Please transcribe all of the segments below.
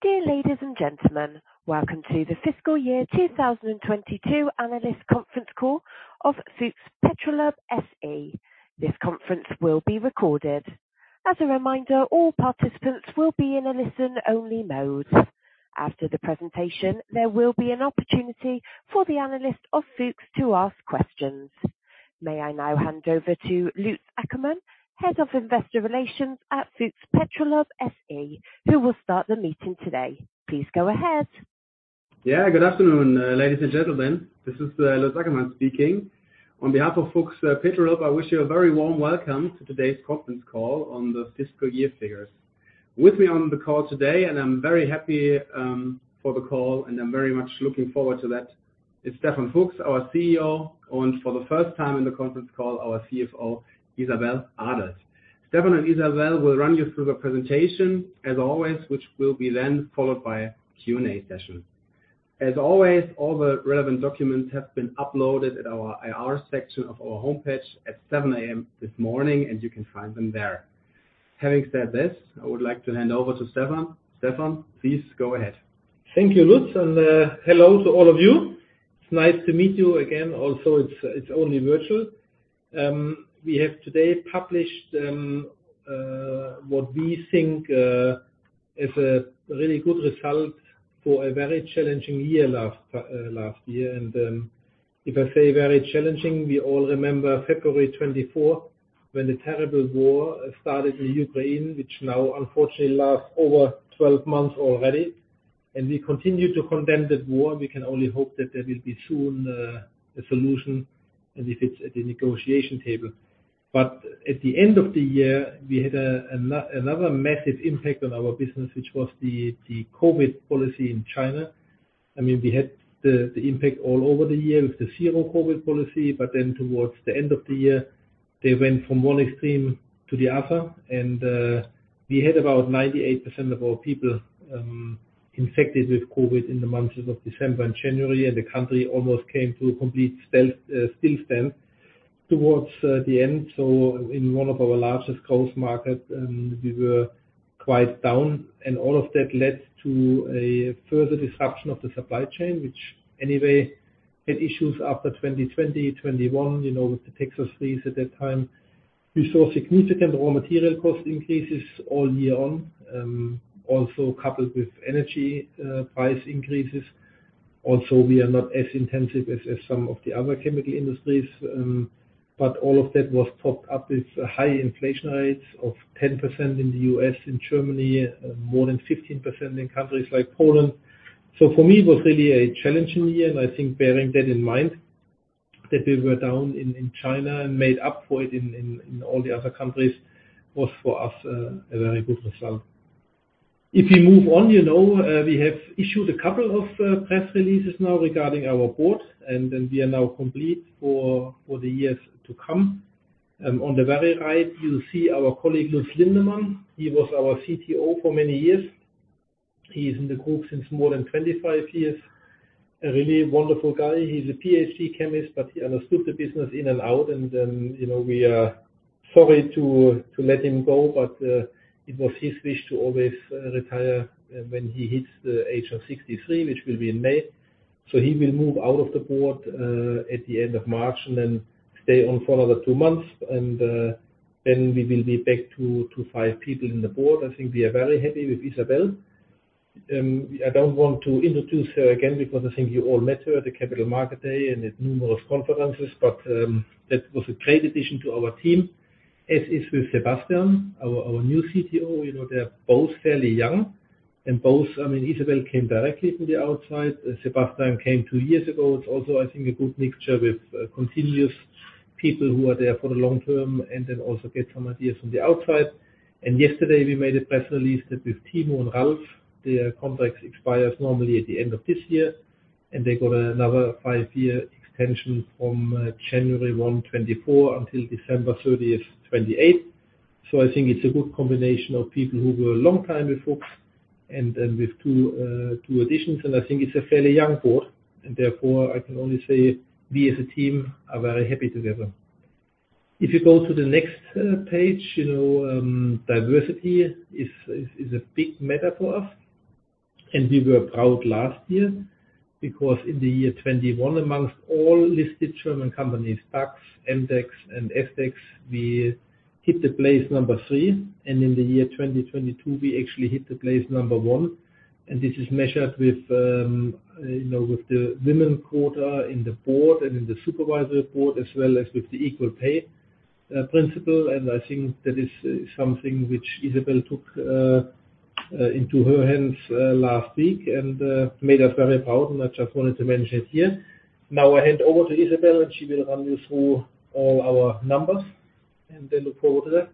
Dear ladies and gentlemen, welcome to The Fiscal Year 2022 Analyst Conference Call of FUCHS Petrolub SE. This conference will be recorded. As a reminder, all participants will be in a listen-only mode. After the presentation, there will be an opportunity for the analyst of FUCHS to ask questions. May I now hand over to Lutz Ackermann, Head of Investor Relations at FUCHS Petrolub SE, who will start the meeting today. Please go ahead. Good afternoon, ladies and gentlemen. This is Lutz Ackermann speaking. On behalf of FUCHS Petrolub, I wish you a very warm welcome to today's conference call on the fiscal year figures. With me on the call today, and I'm very happy for the call, and I'm very much looking forward to that, is Stefan Fuchs, our CEO, and for the first time in the conference call, our CFO, Isabelle Adelt. Stefan and Isabelle will run you through the presentation as always, which will be then followed by a Q&A session. As always, all the relevant documents have been uploaded at our IR section of our homepage at 7:00 A.M. this morning, and you can find them there. Having said this, I would like to hand over to Stefan. Stefan, please go ahead. Thank you, Lutz, hello to all of you. It's nice to meet you again. Also, it's only virtual. We have today published what we think is a really good result for a very challenging year last year. If I say very challenging, we all remember February 24th when the terrible war started in Ukraine, which now unfortunately lasts over 12 months already. We continue to condemn that war. We can only hope that there will be soon a solution, and if it's at the negotiation table. At the end of the year, we had another massive impact on our business, which was the COVID policy in China. I mean, we had the impact all over the year with the Zero-COVID policy, but then towards the end of the year, they went from one extreme to the other. We had about 98% of our people infected with COVID in the months of December and January, and the country almost came to a complete standstill towards the end. In one of our largest growth markets, we were quite down. All of that led to a further disruption of the supply chain, which anyway had issues after 2020, 2021, you know, with the Texas freeze at that time. We saw significant raw material cost increases all year on, also coupled with energy price increases. We are not as intensive as some of the other chemical industries, all of that was topped up with high inflation rates of 10% in the U.S. and Germany, more than 15% in countries like Poland. For me, it was really a challenging year. I think bearing that in mind, that we were down in China and made up for it in all the other countries, was for us a very good result. We move on, you know, we have issued a couple of press releases now regarding our board, then we are now complete for the years to come. On the very right, you'll see our colleague, Lutz Lindemann. He was our CTO for many years. He's in the group since more than 25 years. A really wonderful guy. He's a PhD chemist, but he understood the business in and out. You know, we are sorry to let him go, but it was his wish to always retire when he hits the age of 63, which will be in May. He will move out of the board at the end of March and then stay on for another 2 months. Then we will be back to 5 people in the board. I think we are very happy with Isabelle. I don't want to introduce her again because I think you all met her at the Capital Market Day and at numerous conferences. That was a great addition to our team, as is with Sebastian, our new CTO. You know, they're both fairly young and I mean, Isabelle came directly from the outside. Sebastian came two years ago. It's also, I think, a good mixture with continuous people who are there for the long term and then also get some ideas from the outside. Yesterday, we made a press release that with Timo and Ralph, their contracts expires normally at the end of this year, and they got another five-year extension from January 1, 2024 until December 30th, 2028. I think it's a good combination of people who were a long time with FUCHS and then with two additions. I think it's a fairly young board, and therefore I can only say we as a team are very happy together. If you go to the next page, you know, diversity is a big matter for us. We were proud last year because in the year 21, amongst all listed German companies, DAX, MDAX, and SDAX, we hit the place number 3. In the year 2022, we actually hit the place number 1. This is measured with, you know, with the women quota in the board and in the Supervisory Board, as well as with the equal pay principle. I think that is something which Isabelle took into her hands last week and made us very proud, and I just wanted to mention it here. I hand over to Isabelle, and she will run you through all our numbers, and then look forward to that.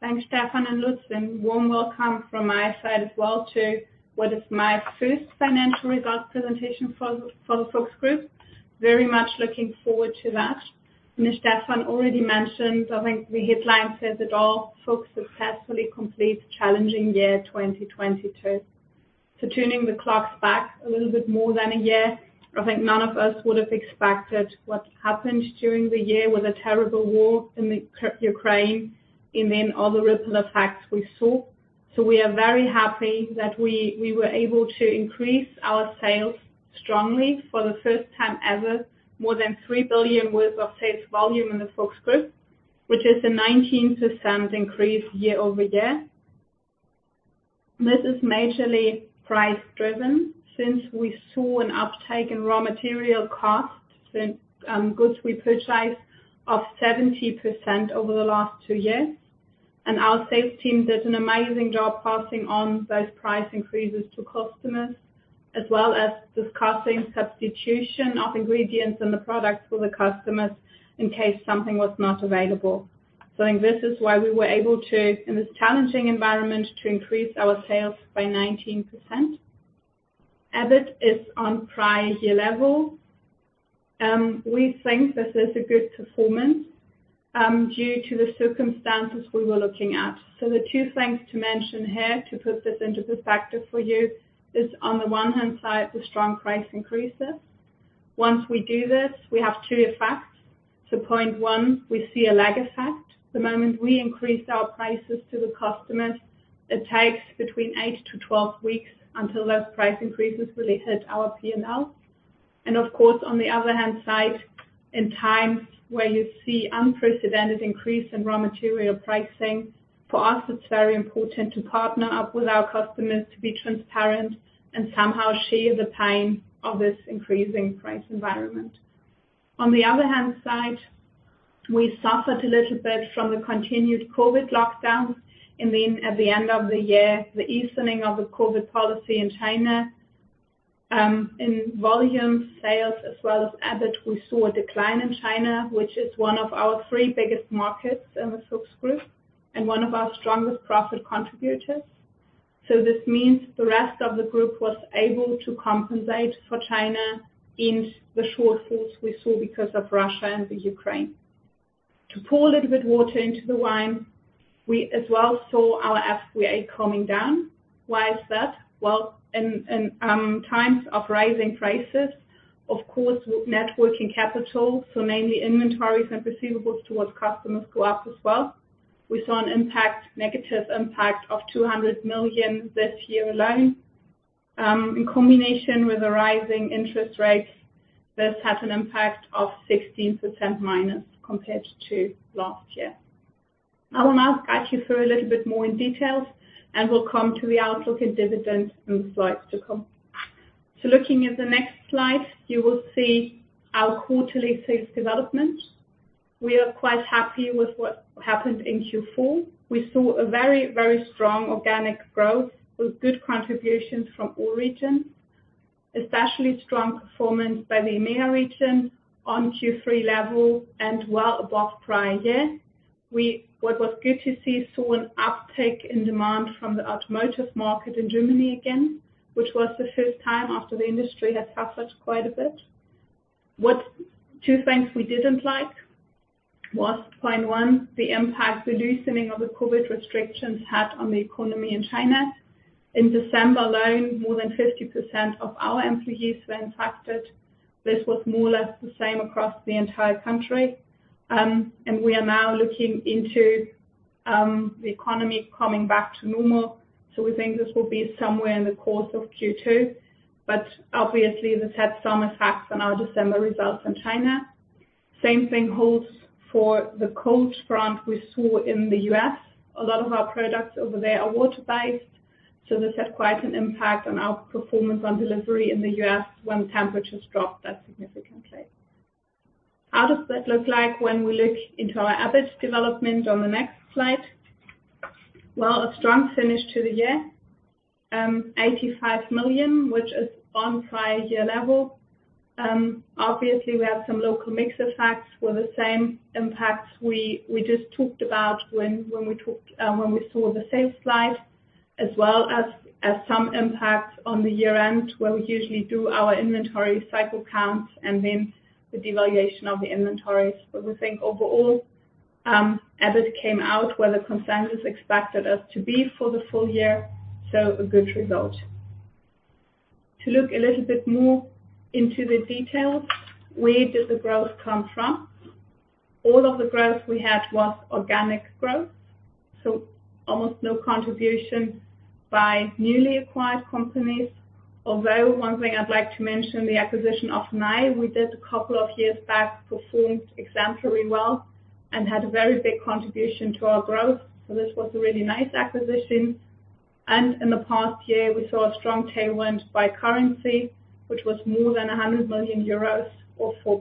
Thanks, Stefan and Lutz, and warm welcome from my side as well to what is my first financial results presentation for the FUCHS Group. Very much looking forward to that. As Stefan already mentioned, I think the headline says it all, "FUCHS successfully completes challenging year 2022. Turning the clocks back a little bit more than a year, I think none of us would have expected what happened during the year with the terrible war in Ukraine and then all the ripple effects we saw. We were able to increase our sales strongly for the first time ever, more than 3 billion worth of sales volume in the FUCHS Group, which is a 19% increase year-over-year. This is majorly price driven since we saw an uptake in raw material costs and goods we purchase of 70% over the last 2 years. Our sales team does an amazing job passing on those price increases to customers, as well as discussing substitution of ingredients in the products with the customers in case something was not available. I think this is why we were able to, in this challenging environment, to increase our sales by 19%. EBIT is on prior year level. We think this is a good performance due to the circumstances we were looking at. The two things to mention here, to put this into perspective for you, is on the one hand side, the strong price increases. Once we do this, we have two effects. Point 1, we see a lag effect. The moment we increase our prices to the customers, it takes between 8 to 12 weeks until those price increases really hit our P&L. Of course, on the other hand side, in times where you see unprecedented increase in raw material pricing, for us, it's very important to partner up with our customers to be transparent and somehow share the pain of this increasing price environment. On the other hand side, we suffered a little bit from the continued COVID lockdowns, and then at the end of the year, the easing of the COVID policy in China. In volume sales as well as EBIT, we saw a decline in China, which is one of our three biggest markets in the FUCHS Group and one of our strongest profit contributors. This means the rest of the group was able to compensate for China in the shortfalls we saw because of Russia and Ukraine. To pour a little bit water into the wine, we as well saw our FVA coming down. Why is that? Well, in times of rising prices, of course, net working capital, so mainly inventories and receivables towards customers go up as well. We saw an impact, negative impact of 200 million this year alone. In combination with the rising interest rates, this had an impact of 16% minus compared to last year. I will now guide you through a little bit more in details, and will come to the outlook and dividends in slides to come. Looking at the next slide, you will see our quarterly sales development. We are quite happy with what happened in Q4. We saw a very, very strong organic growth with good contributions from all regions, especially strong performance by the EMEA region on Q3 level and well above prior year. What was good to see, saw an uptake in demand from the automotive market in Germany again, which was the first time after the industry had suffered quite a bit. Two things we didn't like was, point one, the impact the loosening of the COVID restrictions had on the economy in China. In December alone, more than 50% of our employees were impacted. This was more or less the same across the entire country. We are now looking into the economy coming back to normal. We think this will be somewhere in the course of Q2. Obviously, this had some effects on our December results in China. Same thing holds for the cold front we saw in the U.S. A lot of our products over there are water-based. This had quite an impact on our performance on delivery in the US when temperatures dropped that significantly. How does that look like when we look into our EBIT development on the next slide? A strong finish to the year, 85 million, which is on prior year level. Obviously, we have some local mix effects with the same impacts we just talked about when we talked when we saw the sales slide, as well as some impacts on the year-end where we usually do our inventory cycle counts and then the devaluation of the inventories. We think overall, EBIT came out where the consensus expected us to be for the full year. A good result. To look a little bit more into the details, where did the growth come from? All of the growth we had was organic growth, so almost no contribution by newly acquired companies. Although one thing I’d like to mention, the acquisition of Nye, we did a couple of years back, performed exemplary well and had a very big contribution to our growth. This was a really nice acquisition. In the past year, we saw a strong tailwind by currency, which was more than 100 million euros or 4%.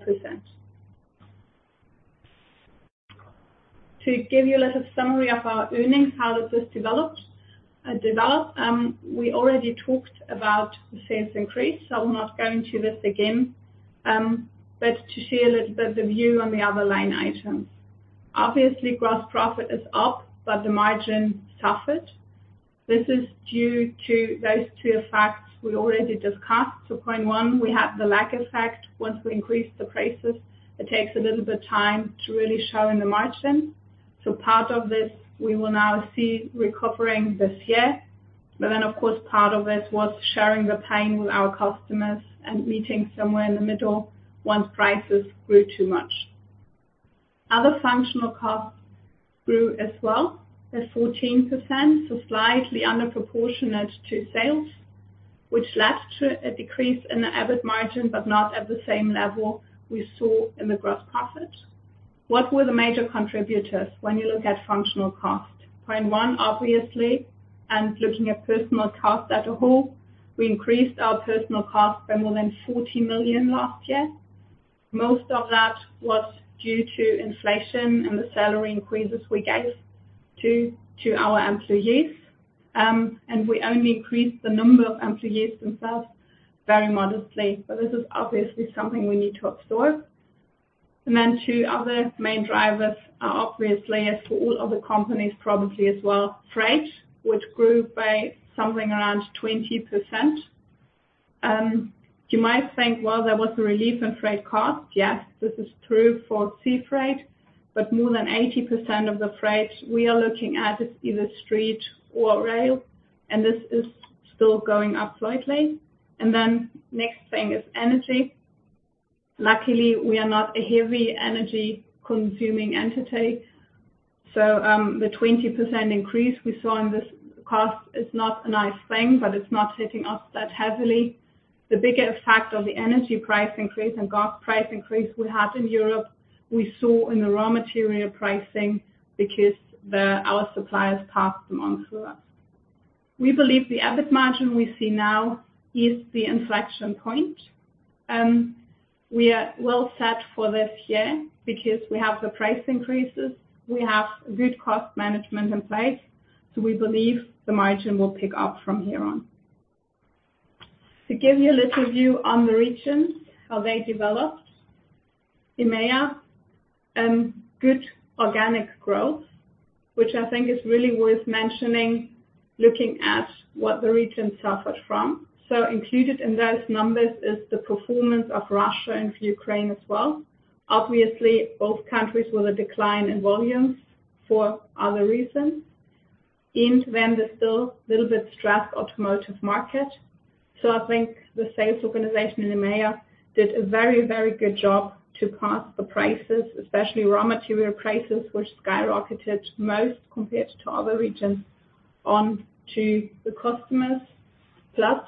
To give you a little summary of our earnings, how this has developed, we already talked about the sales increase, so I will not go into this again. To share a little bit the view on the other line items. Obviously, gross profit is up, but the margin suffered. This is due to those two effects we already discussed. Point one, we have the lag effect. Once we increase the prices, it takes a little bit of time to really show in the margin. Part of this, we will now see recovering this year. Of course, part of this was sharing the pain with our customers and meeting somewhere in the middle once prices grew too much. Other functional costs grew as well, at 14%, so slightly under proportionate to sales, which led to a decrease in the EBIT margin, but not at the same level we saw in the gross profit. What were the major contributors when you look at functional costs? Point one, obviously, and looking at personal costs as a whole, we increased our personal costs by more than 40 million last year. Most of that was due to inflation and the salary increases we gave to our employees. We only increased the number of employees themselves very modestly. This is obviously something we need to absorb. Two other main drivers are obviously, as to all other companies, probably as well, freight, which grew by something around 20%. You might think, well, there was a relief in freight costs. Yes, this is true for sea freight, but more than 80% of the freight we are looking at is either street or rail, and this is still going up slightly. Next thing is energy. Luckily, we are not a heavy energy consuming entity, so the 20% increase we saw in this cost is not a nice thing, but it's not hitting us that heavily. The biggest effect of the energy price increase and gas price increase we had in Europe, we saw in the raw material pricing because our suppliers passed them on to us. We believe the EBIT margin we see now is the inflection point. We are well set for this year because we have the price increases, we have good cost management in place. We believe the margin will pick up from here on. To give you a little view on the regions, how they developed. EMEA, good organic growth, which I think is really worth mentioning, looking at what the region suffered from. Included in those numbers is the performance of Russia and Ukraine as well. Obviously, both countries with a decline in volumes for other reasons. In them, there's still a little bit stressed automotive market. I think the sales organization in EMEA did a very, very good job to pass the prices, especially raw material prices, which skyrocketed most compared to other regions, on to the customers.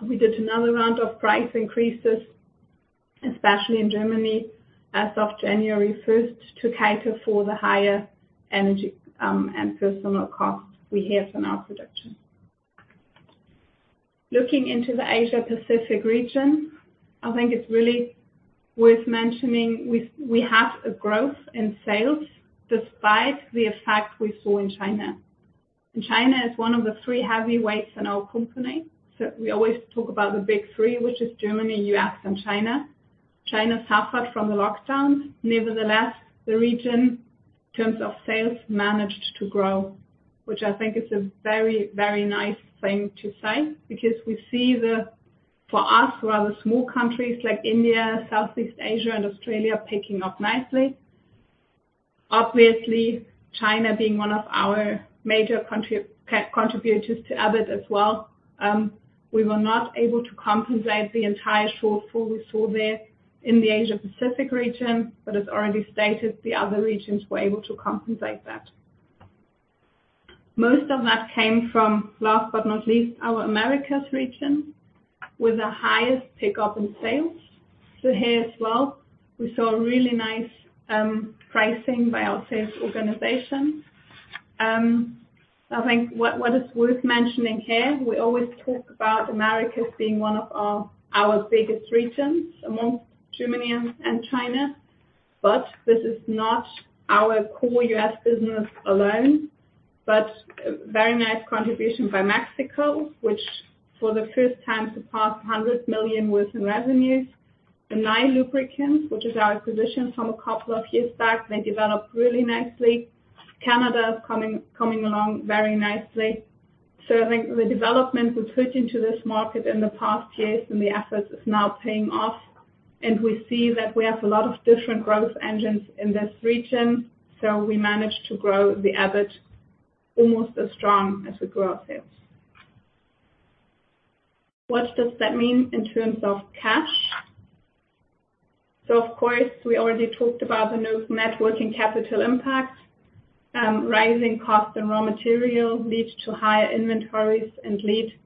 We did another round of price increases, especially in Germany, as of January first, to cater for the higher energy and personal costs we have in our production. Looking into the Asia Pacific region, I think it's really worth mentioning we have a growth in sales despite the effect we saw in China. China is one of the three heavyweights in our company. We always talk about the big three, which is Germany, U.S., and China. China suffered from the lockdowns. Nevertheless, the region, in terms of sales, managed to grow, which I think is a very, very nice thing to say, because we see the... For us, rather small countries like India, Southeast Asia and Australia are picking up nicely. Obviously, China being one of our major contributors to EBIT as well, we were not able to compensate the entire shortfall we saw there in the Asia Pacific region, as already stated, the other regions were able to compensate that. Most of that came from, last but not least, our Americas region, with the highest pickup in sales. Here as well, we saw really nice pricing by our sales organization. I think what is worth mentioning here, we always talk about Americas being one of our biggest regions amongst Germany and China. This is not our core U.S. business alone, very nice contribution by Mexico, which for the first time surpassed $100 million within revenues. Nye Lubricants, which is our acquisition from a couple of years back, they developed really nicely. Canada coming along very nicely. I think the development we put into this market in the past years and the efforts is now paying off, and we see that we have a lot of different growth engines in this region, so we managed to grow the EBIT almost as strong as we grew our sales. What does that mean in terms of cash? Of course, we already talked about the new net working capital impact. Rising costs and raw material lead to higher inventories and lead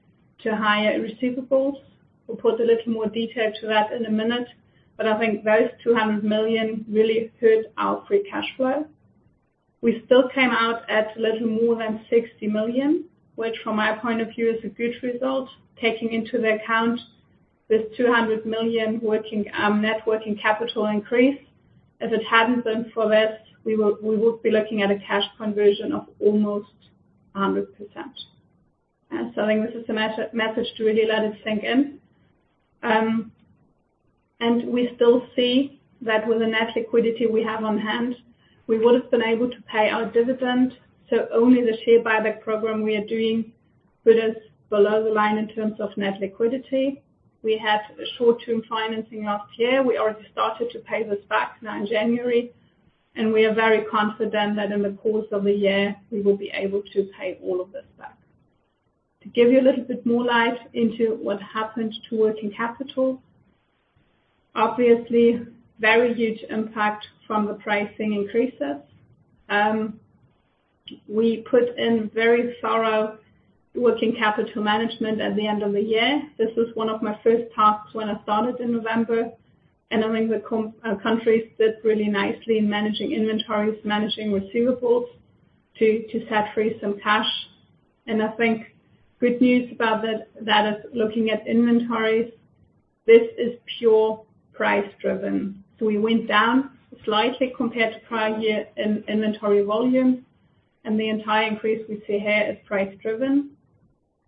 to higher receivables. We'll put a little more detail to that in a minute, but I think those 200 million really hurt our free cash flow. We still came out at a little more than 60 million, which from my point of view is a good result, taking into account this 200 million net working capital increase. If it hadn't been for this, we would be looking at a cash conversion of almost 100%. I think this is a message to really let it sink in. We still see that with the net liquidity we have on hand, we would have been able to pay our dividend, so only the share buyback program we are doing good is below the line in terms of net liquidity. We had short-term financing last year. We already started to pay this back now in January, and we are very confident that in the course of the year, we will be able to pay all of this back. To give you a little bit more light into what happened to working capital. Obviously, very huge impact from the pricing increases. We put in very thorough working capital management at the end of the year. This was one of my first tasks when I started in November, and I think the countries sit really nicely in managing inventories, managing receivables to set free some cash. I think good news about that is looking at inventories. This is pure price-driven. We went down slightly compared to prior year in inventory volumes, and the entire increase we see here is price-driven.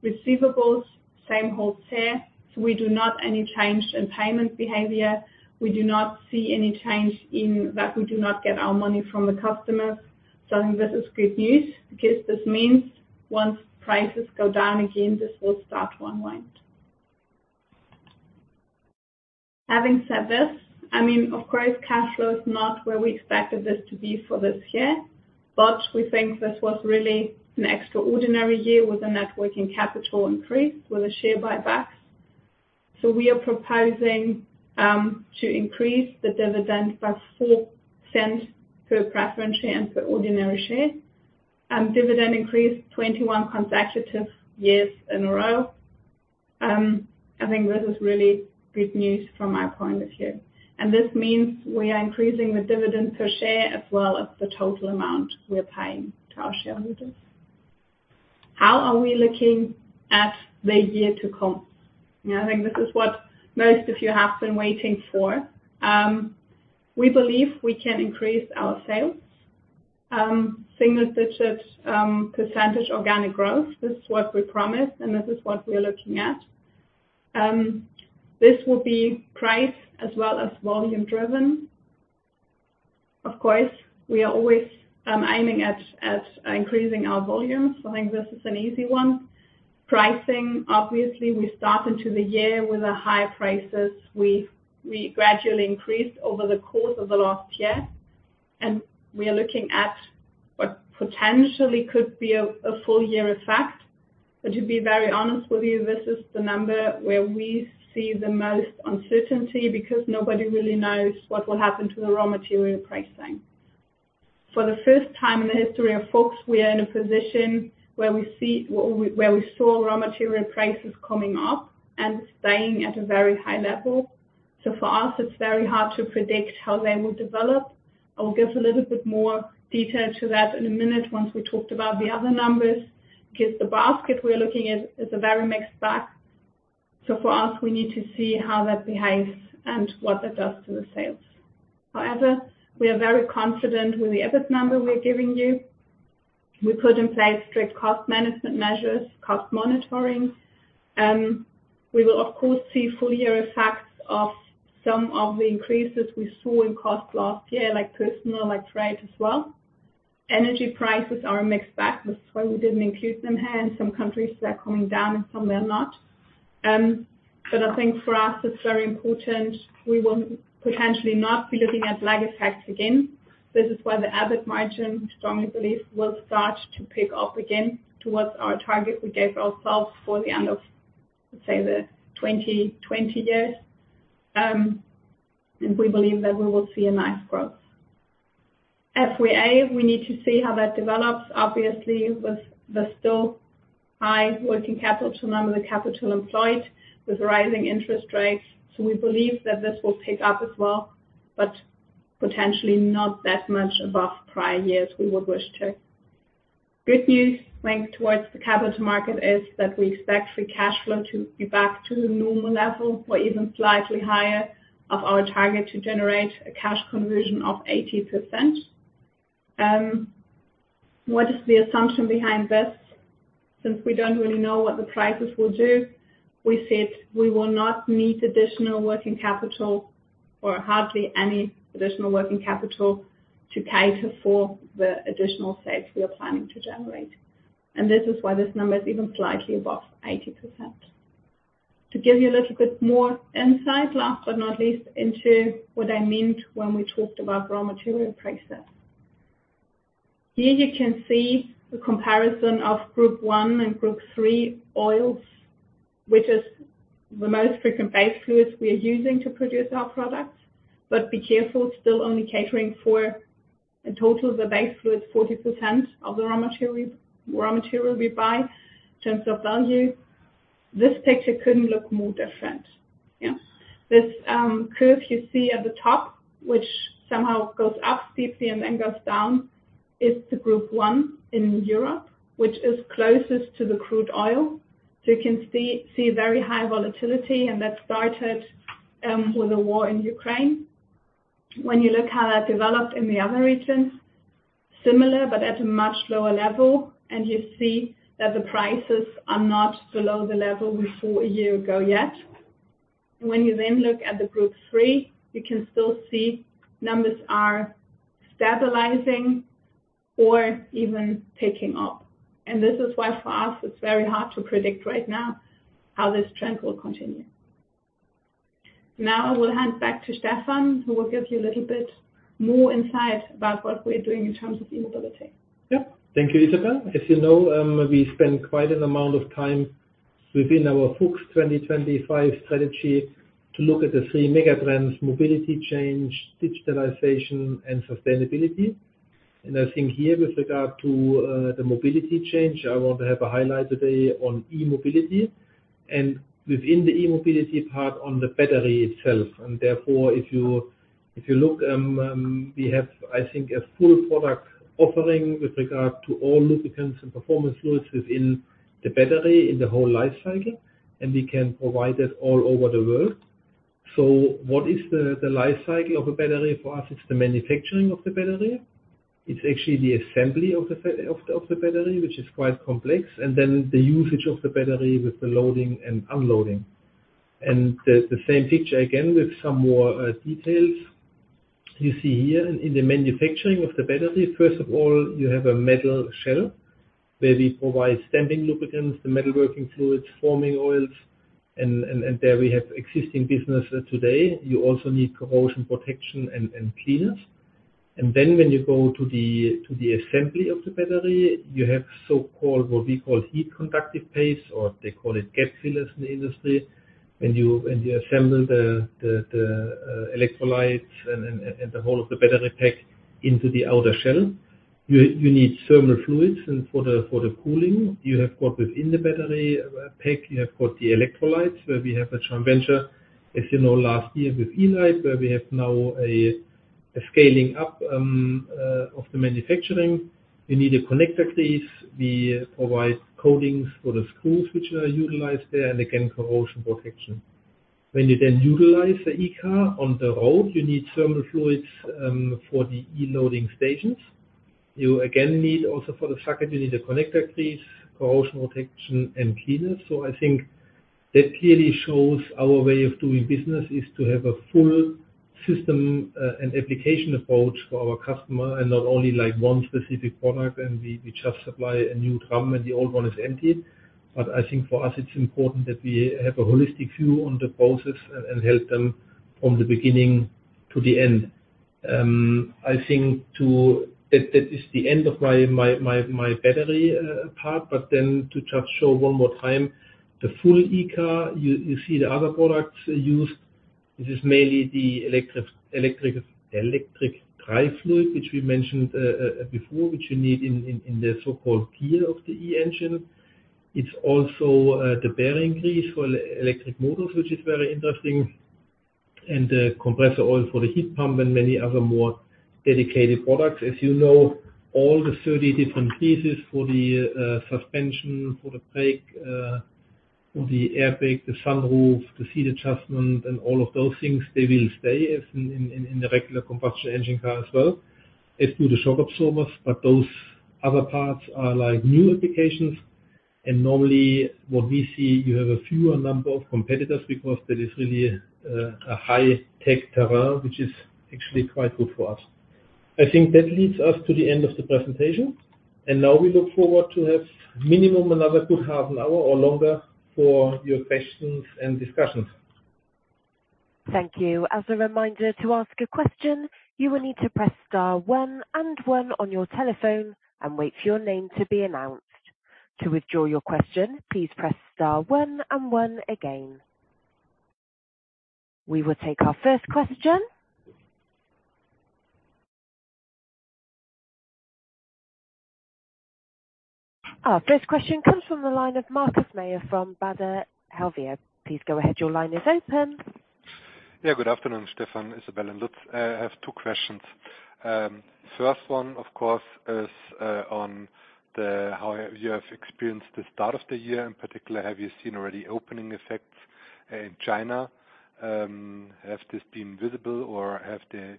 Receivables, same holds here. We do not any change in payment behavior. We do not see any change in that we do not get our money from the customers. I think this is good news because this means once prices go down again, this will start to unwind. Having said this, I mean, of course, cash flow is not where we expected this to be for this year, but we think this was really an extraordinary year with a net working capital increase, with a share buybacks. We are proposing to increase the dividend by 0.04 per preference share and per ordinary share. Dividend increase 21 consecutive years in a row. I think this is really good news from my point of view. This means we are increasing the dividend per share as well as the total amount we are paying to our shareholders. How are we looking at the year to come? I think this is what most of you have been waiting for. We believe we can increase our sales single-digits % organic growth. This is what we promised, and this is what we are looking at. This will be price as well as volume-driven. Of course, we are always aiming at increasing our volumes. I think this is an easy one. Pricing, obviously, we start into the year with a high prices. We gradually increased over the course of the last year, and we are looking at what potentially could be a full year effect. To be very honest with you, this is the number where we see the most uncertainty because nobody really knows what will happen to the raw material pricing. For the first time in the history of FUCHS, we are in a position where we saw raw material prices coming up and staying at a very high level. For us, it's very hard to predict how they will develop. I will give a little bit more detail to that in a minute once we talked about the other numbers, because the basket we're looking at is a very mixed bag. For us, we need to see how that behaves and what that does to the sales. However, we are very confident with the EBIT number we're giving you. We put in place strict cost management measures, cost monitoring. We will, of course, see full year effects of some of the increases we saw in cost last year, like personal, like freight as well. Energy prices are a mixed bag. This is why we didn't include them here. In some countries, they are coming down, in some, they're not. I think for us, it's very important we will potentially not be looking at lag effects again. This is why the EBIT margin, I strongly believe, will start to pick up again towards our target we gave ourselves for the end of, let's say, the 2020 years. We believe that we will see a nice growth. FVA, we need to see how that develops, obviously, with the still high working capital to none of the capital employed with rising interest rates. We believe that this will pick up as well, but potentially not that much above prior years we would wish to. Good news going towards the capital market is that we expect free cash flow to be back to the normal level or even slightly higher of our target to generate a cash conversion of 80%. What is the assumption behind this? Since we don't really know what the prices will do, we said we will not need additional working capital or hardly any additional working capital to cater for the additional sales we are planning to generate. This is why this number is even slightly above 80%. To give you a little bit more insight, last but not least, into what I meant when we talked about raw material prices. Here you can see the comparison of Group I and Group III oils, which is the most frequent base fluids we are using to produce our products. Be careful, still only catering for a total of the base fluid, 40% of the raw material we buy in terms of value. This picture couldn't look more different. This curve you see at the top, which somehow goes up steeply and then goes down, is the Group I in Europe, which is closest to the crude oil. You can see very high volatility, and that started with the war in Ukraine. When you look how that developed in the other regions, similar but at a much lower level, and you see that the prices are not below the level before a year ago yet. When you look at the Group III, you can still see numbers are stabilizing or even picking up. This is why for us, it's very hard to predict right now how this trend will continue. Now we'll hand back to Stefan, who will give you a little bit more insight about what we're doing in terms of e-mobility. Yeah. Thank you, Isabelle. As you know, we spend quite an amount of time within our FUCHS 2025 strategy to look at the three mega trends, mobility change, digitalization, and sustainability. I think here with regard to the mobility change, I want to have a highlight today on e-mobility and within the e-mobility part on the battery itself. Therefore, if you, if you look, we have, I think, a full product offering with regard to all lubricants and performance fluids within the battery in the whole life cycle, and we can provide that all over the world. What is the life cycle of a battery? For us, it's the manufacturing of the battery. It's actually the assembly of the, of the battery, which is quite complex, and then the usage of the battery with the loading and unloading. The same picture, again, with some more details. You see here in the manufacturing of the battery, first of all, you have a metal shell where we provide stamping lubricants, the metalworking fluids, forming oils, and there we have existing business today. You also need corrosion protection and cleaners. When you go to the assembly of the battery, you have so-called, what we call heat conductive paste, or they call it gap fillers in the industry. When you assemble the electrolytes and the whole of the battery pack into the outer shell, you need thermal fluids. For the cooling, you have got within the battery pack, you have got the electrolytes, where we have a joint venture, as you know, last year with E-Lyte, where we have now a scaling up of the manufacturing. We need a connector grease. We provide coatings for the screws which are utilized there, and again, corrosion protection. When you then utilize the e-car on the road, you need thermal fluids for the e-loading stations. You again need also for the socket, you need the connector grease, corrosion protection, and cleaners. I think that clearly shows our way of doing business is to have a full system and application approach for our customer and not only like one specific product and we just supply a new drum when the old one is empty. I think for us it's important that we have a holistic view on the process and help them from the beginning to the end. That is the end of my battery part. To just show one more time the full e-car, you see the other products used. This is mainly the electric drive fluid, which we mentioned before, which you need in the so-called gear of the e-engine. It's also the bearing grease for electric motors, which is very interesting, and the compressor oil for the heat pump and many other more dedicated products. As you know, all the 30 different pieces for the suspension, for the brake, for the air brake, the sunroof, the seat adjustment, and all of those things, they will stay as in the regular combustion engine car as well, as do the shock absorbers. Those other parts are like new applications. Normally what we see, you have a fewer number of competitors because that is really a high-tech terrain, which is actually quite good for us. I think that leads us to the end of the presentation. Now we look forward to have minimum another good half an hour or longer for your questions and discussions. Thank you. As a reminder, to ask a question, you will need to press star one and one on your telephone and wait for your name to be announced. To withdraw your question, please press star one and one again. We will take our first question. Our first question comes from the line of Markus Mayer from Baader Helvea. Please go ahead, your line is open. Good afternoon, Stefan, Isabelle, and Lutz. I have two questions. First one, of course, is on the how you have experienced the start of the year. In particular, have you seen already opening effects in China? Has this been visible or have they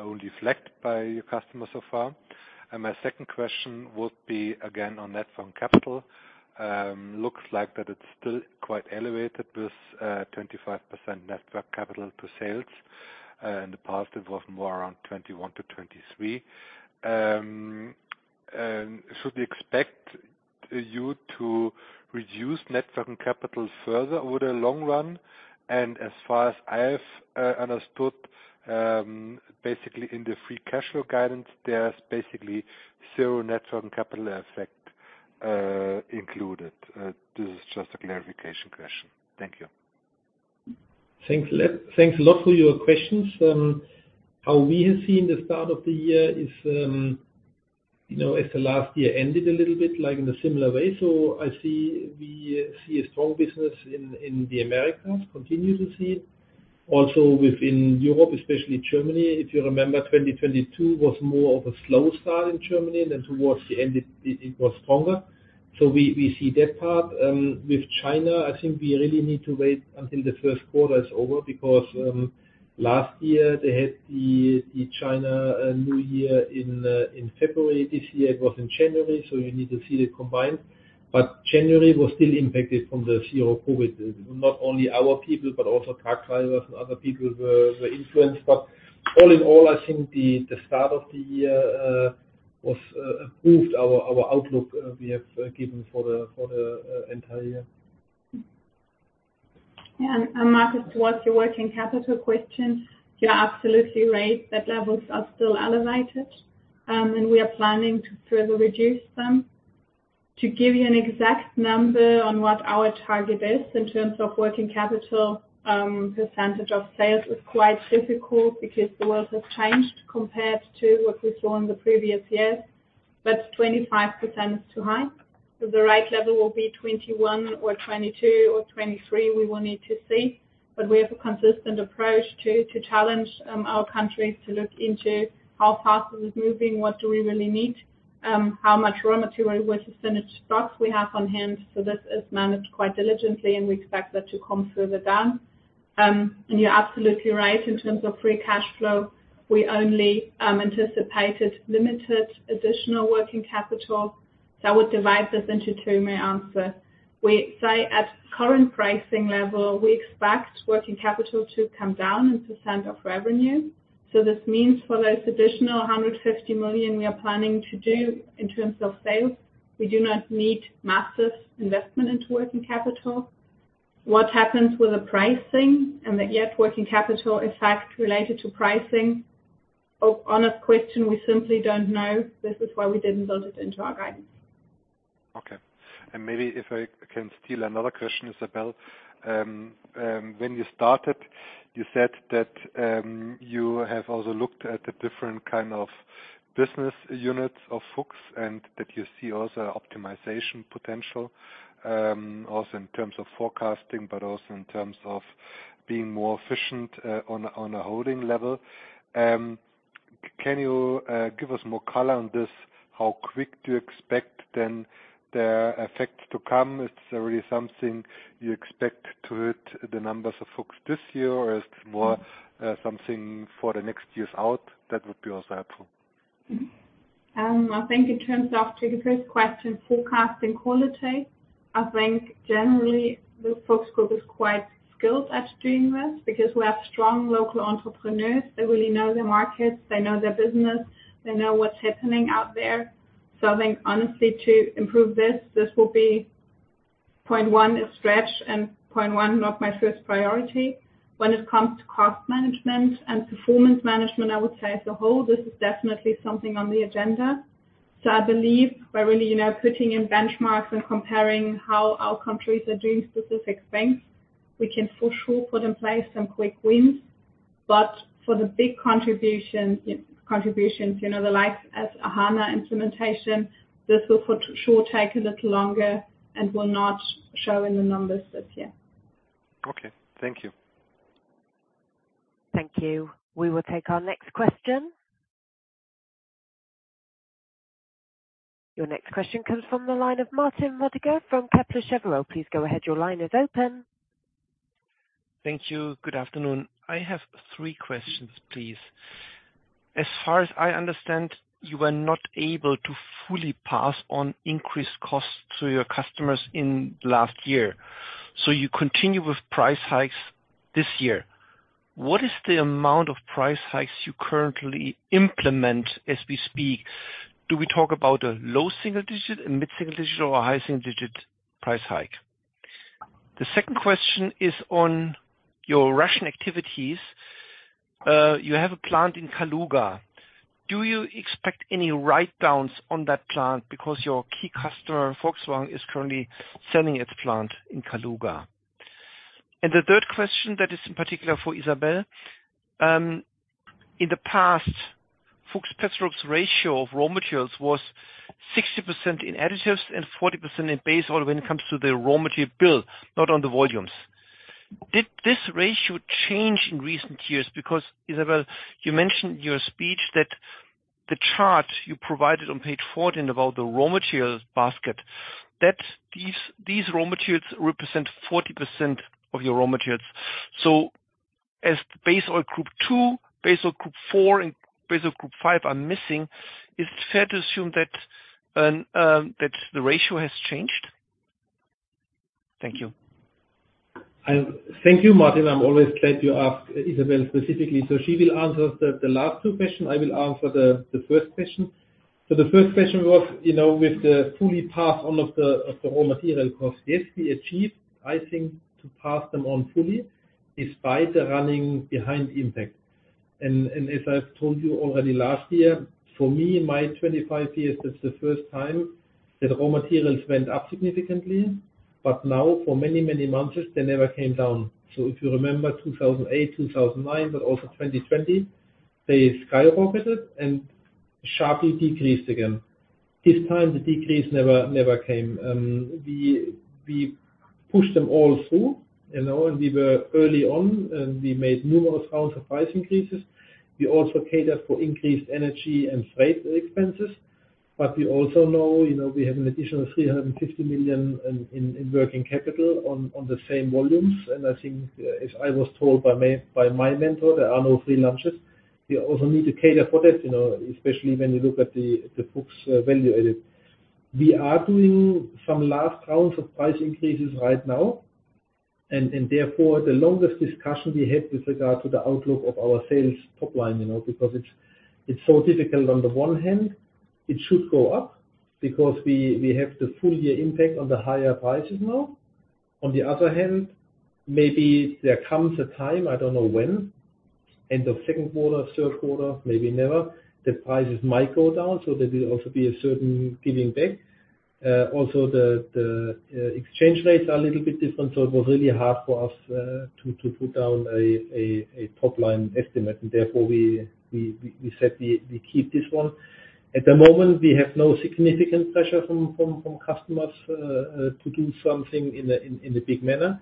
only flagged by your customers so far? My second question would be again on net working capital. Looks like that it's still quite elevated with 25% net working capital to sales. In the past it was more around 21%-23%. Should we expect you to reduce net working capital further over the long run? As far as I have understood, basically in the free cash flow guidance, there's basically 0 net working capital effect included. This is just a clarification question. Thank you. Thanks a lot, thanks a lot for your questions. How we have seen the start of the year is, you know, as the last year ended a little bit, like in a similar way. We see a strong business in the Americas, continue to see. Also within Europe, especially Germany, if you remember, 2022 was more of a slow start in Germany, then towards the end it was stronger. We see that part. With China, I think we really need to wait until the first quarter is over because last year they had the China New Year in February. This year it was in January, so you need to see it combined. January was still impacted from the Zero-COVID. Not only our people, but also truck drivers and other people were influenced. All in all, I think the start of the year was improved our outlook we have given for the entire year. Markus, towards your working capital question, you're absolutely right. The levels are still elevated, and we are planning to further reduce them. To give you an exact number on what our target is in terms of working capital, percentage of sales is quite difficult because the world has changed compared to what we saw in the previous years, but 25% is too high. The right level will be 21 or 22 or 23, we will need to see. We have a consistent approach to challenge our countries to look into how fast it is moving, what do we really need, how much raw material with finished stocks we have on hand. This is managed quite diligently, and we expect that to come further down. You're absolutely right, in terms of free cash flow, we only anticipated limited additional working capital. I would divide this into two, may I answer? At current pricing level, we expect working capital to come down in % of revenue. This means for those additional 150 million we are planning to do in terms of sales, we do not need massive investment into working capital. What happens with the pricing and the yet working capital is fact related to pricing. On a question we simply don't know, this is why we didn't build it into our guidance. Okay. Maybe if I can steal another question, Isabelle. When you started, you said that you have also looked at the different kind of business units of FUCHS and that you see also optimization potential, also in terms of forecasting, but also in terms of being more efficient, on a holding level. Can you give us more color on this? How quick do you expect then the effect to come? Is there really something you expect to hit the numbers of FUCHS this year, or is it more something for the next years out? That would be also helpful. I think in terms of, to the first question, forecasting quality, I think generally the FUCHS Group is quite skilled at doing this because we have strong local entrepreneurs. They really know their markets, they know their business, they know what's happening out there. I think honestly, to improve this will be point one, a stretch, and point one, not my first priority. When it comes to cost management and performance management, I would say as a whole, this is definitely something on the agenda. I believe by really, you know, putting in benchmarks and comparing how our countries are doing specific things, we can for sure put in place some quick wins. For the big contributions, you know, the likes as S/4HANA implementation, this will for sure take a little longer and will not show in the numbers this year. Okay. Thank you. Thank you. We will take our next question. Your next question comes from the line of Martin Roediger from Kepler Cheuvreux. Please go ahead, your line is open. Thank you. Good afternoon. I have three questions, please. As far as I understand, you were not able to fully pass on increased costs to your customers in last year. You continue with price hikes this year. What is the amount of price hikes you currently implement as we speak? Do we talk about a low single digit, a mid-single digit, or a high single digit price hike? The second question is on your Russian activities. You have a plant in Kaluga. Do you expect any write-downs on that plant because your key customer, Volkswagen, is currently selling its plant in Kaluga? The third question that is in particular for Isabelle, in the past, FUCHS Petro's ratio of raw materials was 60% in additives and 40% in base oil when it comes to the raw material bill, not on the volumes. Did this ratio change in recent years? Isabelle, you mentioned in your speech that the chart you provided on page 14 about the raw materials basket, that these raw materials represent 40% of your raw materials. As Base oil Group II, Base oil Group IV, and Base oil Group V are missing, is it fair to assume that the ratio has changed? Thank you. I- Thank you, Martin. I'm always glad you ask Isabelle specifically, so she will answer the last two question. I will answer the first question. The first question was, you know, with the fully pass on of the raw material cost. Yes, we achieved, I think, to pass them on fully despite the running behind impact. As I've told you already last year, for me, in my 25 years, that's the first time that raw materials went up significantly. Now, for many, many months, they never came down. If you remember 2008, 2009, but also 2020, they skyrocketed and sharply decreased again. This time, the decrease never came. We pushed them all through, you know, and we were early on, and we made numerous rounds of price increases. We also catered for increased energy and freight expenses. We also know, you know, we have an additional 350 million in working capital on the same volumes. I think, as I was told by my mentor, there are no free lunches. We also need to cater for that, you know, especially when you look at the FUCHS Value Added. We are doing some last rounds of price increases right now. Therefore, the longest discussion we have with regard to the outlook of our sales pipeline, you know, because it's so difficult on the one hand. It should go up because we have the full year impact on the higher prices now. On the other hand, maybe there comes a time, I don't know when, end of second quarter, third quarter, maybe never, the prices might go down. There will also be a certain giving back. Also the exchange rates are a little bit different. It was really hard for us to put down a top line estimate. Therefore we said we keep this one. At the moment, we have no significant pressure from customers to do something in a big manner.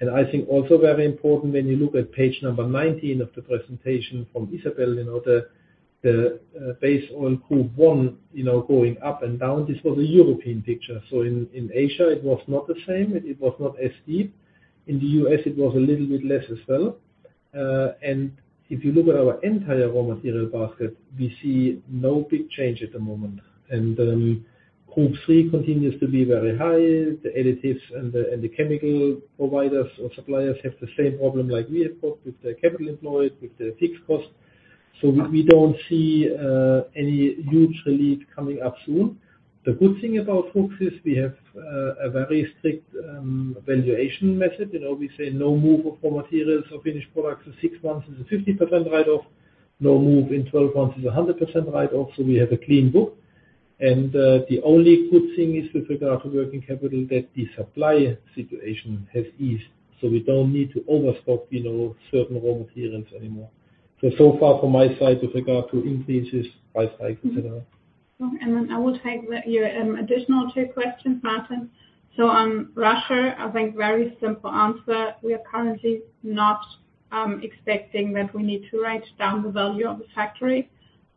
I think also very important when you look at page number 19 of the presentation from Isabelle, you know, the Base oil Group I, you know, going up and down, this was a European picture. In Asia it was not the same, it was not as deep. In the U.S. it was a little bit less as well. If you look at our entire raw material basket, we see no big change at the moment. Group III continues to be very high. The additives and the chemical providers or suppliers have the same problem like we have got with the capital employed, with the fixed costs. We don't see any huge relief coming up soon. The good thing about FUCHS is we have a very strict valuation method. You know, we say no move of raw materials or finished products for six months is a 50% write-off. No move in 12 months is a 100% write-off, we have a clean book. The only good thing is with regard to working capital that the supply situation has eased, so we don't need to overstock, you know, certain raw materials anymore. So far from my side with regard to increases, price hikes, et cetera. No, I will take the, your, additional 2 questions, Martin. On Russia, I think very simple answer. We are currently not expecting that we need to write down the value of the factory.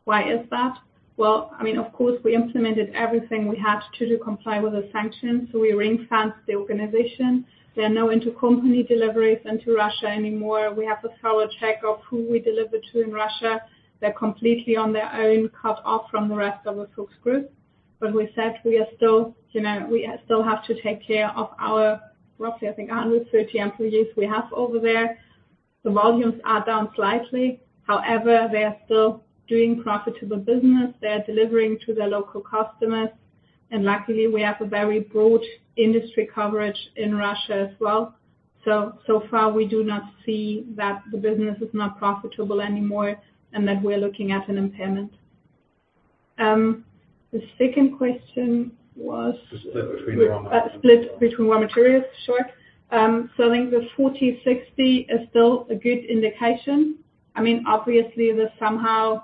Why is that? Well, I mean, of course, we implemented everything we had to comply with the sanctions, so we ring-fenced the organization. There are no intercompany deliveries into Russia anymore. We have a thorough check of who we deliver to in Russia. They're completely on their own, cut off from the rest of the FUCHS Group. We said we are still, you know, we still have to take care of our roughly, I think, 130 employees we have over there. The volumes are down slightly. However, they are still doing profitable business. They are delivering to their local customers. Luckily, we have a very broad industry coverage in Russia as well. So far, we do not see that the business is not profitable anymore and that we're looking at an impairment. The second question. The split between raw materials. Split between raw materials. Sure. I think the 40-60 is still a good indication. I mean, obviously this somehow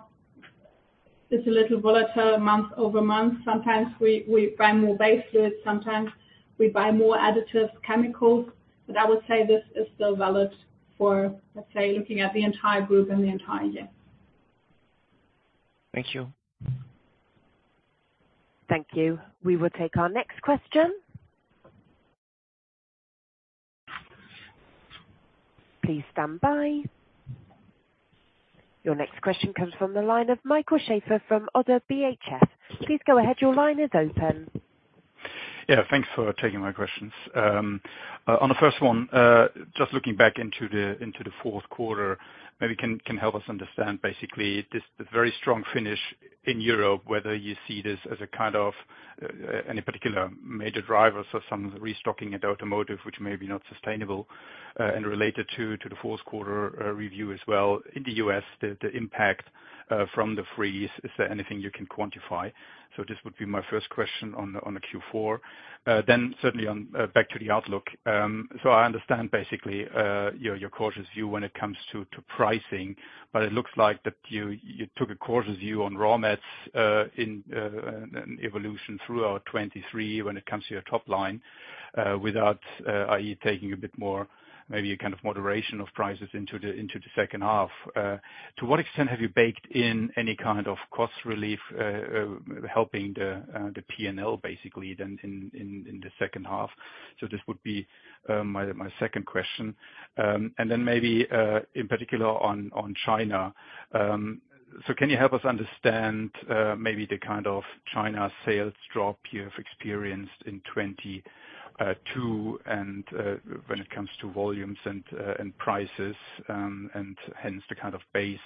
is a little volatile month-over-month. Sometimes we buy more base fluids, sometimes we buy more additives, chemicals, but I would say this is still valid for, let's say, looking at the entire group and the entire year. Thank you. Thank you. We will take our next question. Please stand by. Your next question comes from the line of Michael Schaefer from ODDO BHF. Please go ahead. Your line is open. Yeah, thanks for taking my questions. On the first one, just looking back into the Q4, maybe can help us understand basically the very strong finish in Europe, whether you see this as a kind of, any particular major drivers of some of the restocking at automotive which may be not sustainable? Related to the Q4, review as well, in the US, the impact from the freeze, is there anything you can quantify? This would be my first question on the Q4. Certainly on, back to the outlook. I understand basically, your cautious view when it comes to pricing, but it looks like that you took a cautious view on raw mats, in an evolution throughout 2023 when it comes to your top line, without i.e. taking a bit more, maybe a kind of moderation of prices into the second half. To what extent have you baked in any kind of cost relief, helping the P&L basically then in the second half? This would be my second question. Then maybe in particular on China. Can you help us understand, maybe the kind of China sales drop you have experienced in 2022, and when it comes to volumes and prices, and hence the kind of base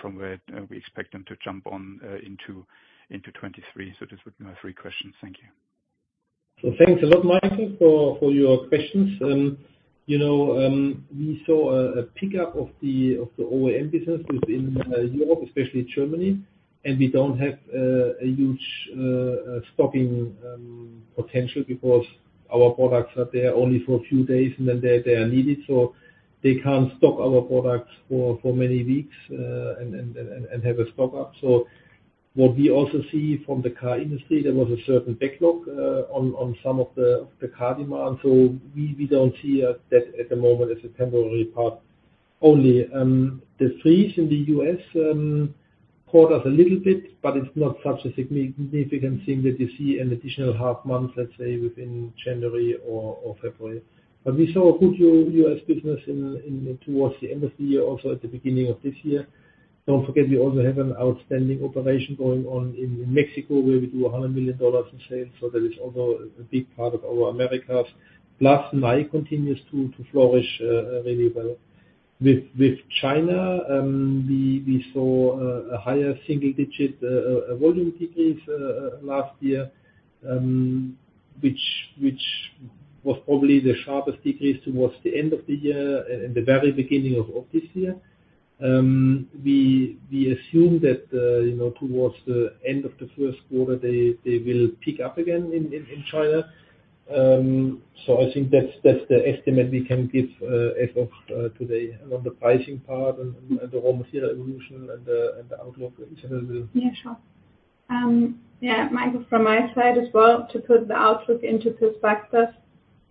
from where we expect them to jump on into 2023? This would be my three questions. Thank you. Thanks a lot, Michael, for your questions. You know, we saw a pickup of the OEM business within Europe, especially Germany. We don't have a huge stocking potential because our products are there only for a few days, and then they are needed. They can't stock our products for many weeks and have a stock up. What we also see from the car industry, there was a certain backlog on some of the car demand. We don't see that at the moment as a temporary part only. The freeze in the US caught us a little bit, but it's not such a significant thing that you see an additional half month, let's say, within January or February. We saw a good U.S. business towards the end of the year, also at the beginning of this year. Don't forget we also have an outstanding operation going on in Mexico where we do $100 million in sales, that is also a big part of our Americas. MAI continues to flourish really well. With China, we saw a higher single-digit volume decrease last year, which was probably the sharpest decrease towards the end of the year and the very beginning of this year. We assume that, you know, towards the end of the first quarter they will pick up again in China. I think that's the estimate we can give as of today. On the pricing part and the raw material evolution and the outlook, Isabelle. Yeah, sure. Michael, from my side as well, to put the outlook into perspective,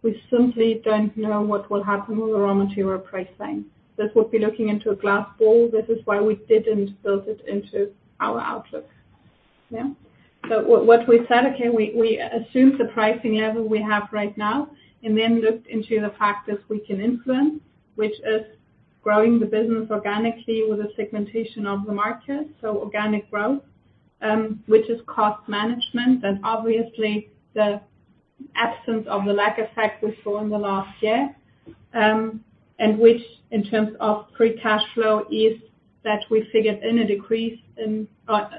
we simply don't know what will happen with the raw material pricing. This would be looking into a glass ball. This is why we didn't build it into our outlook. What we said, okay, we assumed the pricing level we have right now, and then looked into the factors we can influence, which is growing the business organically with a segmentation of the market, so organic growth, which is cost management, and obviously the absence of the lag effect we saw in the last year, which in terms of free cash flow is that we figured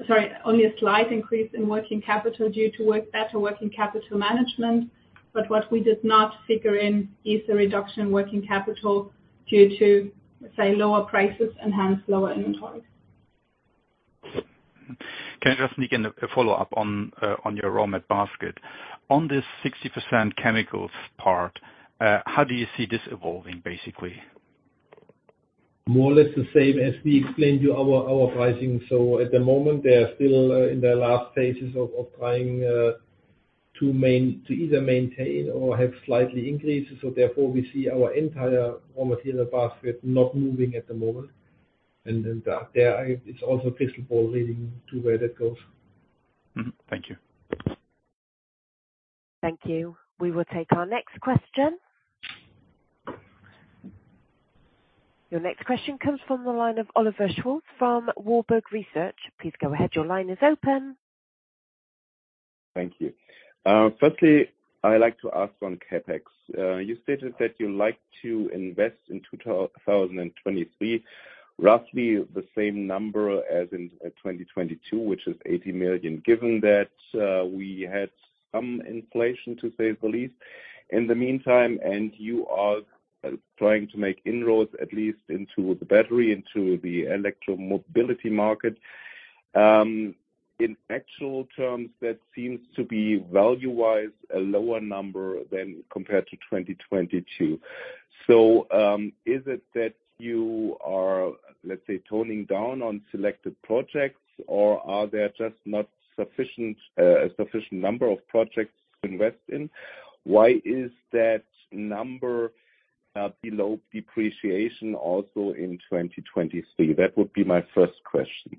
sorry, only a slight increase in working capital due to better working capital management. What we did not figure in is the reduction in working capital due to, say, lower prices and hence lower inventory. Can I just sneak in a follow-up on your raw mat basket? On this 60% chemicals part, how do you see this evolving, basically? More or less the same as we explained you our pricing. At the moment, they are still in their last stages of trying to either maintain or have slightly increases. Therefore we see our entire raw material basket not moving at the moment. Then, there, I, it's also a crystal ball leading to where that goes. Mm-hmm. Thank you. Thank you. We will take our next question. Your next question comes from the line of Oliver Schwarz from Warburg Research. Please go ahead. Your line is open. Thank you. Firstly, I like to ask on CapEx. You stated that you like to invest in 2023, roughly the same number as in 2022, which is 80 million. Given that we had some inflation, to say the least, in the meantime, and you are trying to make inroads at least into the battery, into the e-mobility market, in actual terms, that seems to be value-wise a lower number than compared to 2022. Is it that you are, let's say, toning down on selected projects, or are there just not a sufficient number of projects to invest in? Why is that number below depreciation also in 2023? That would be my first question.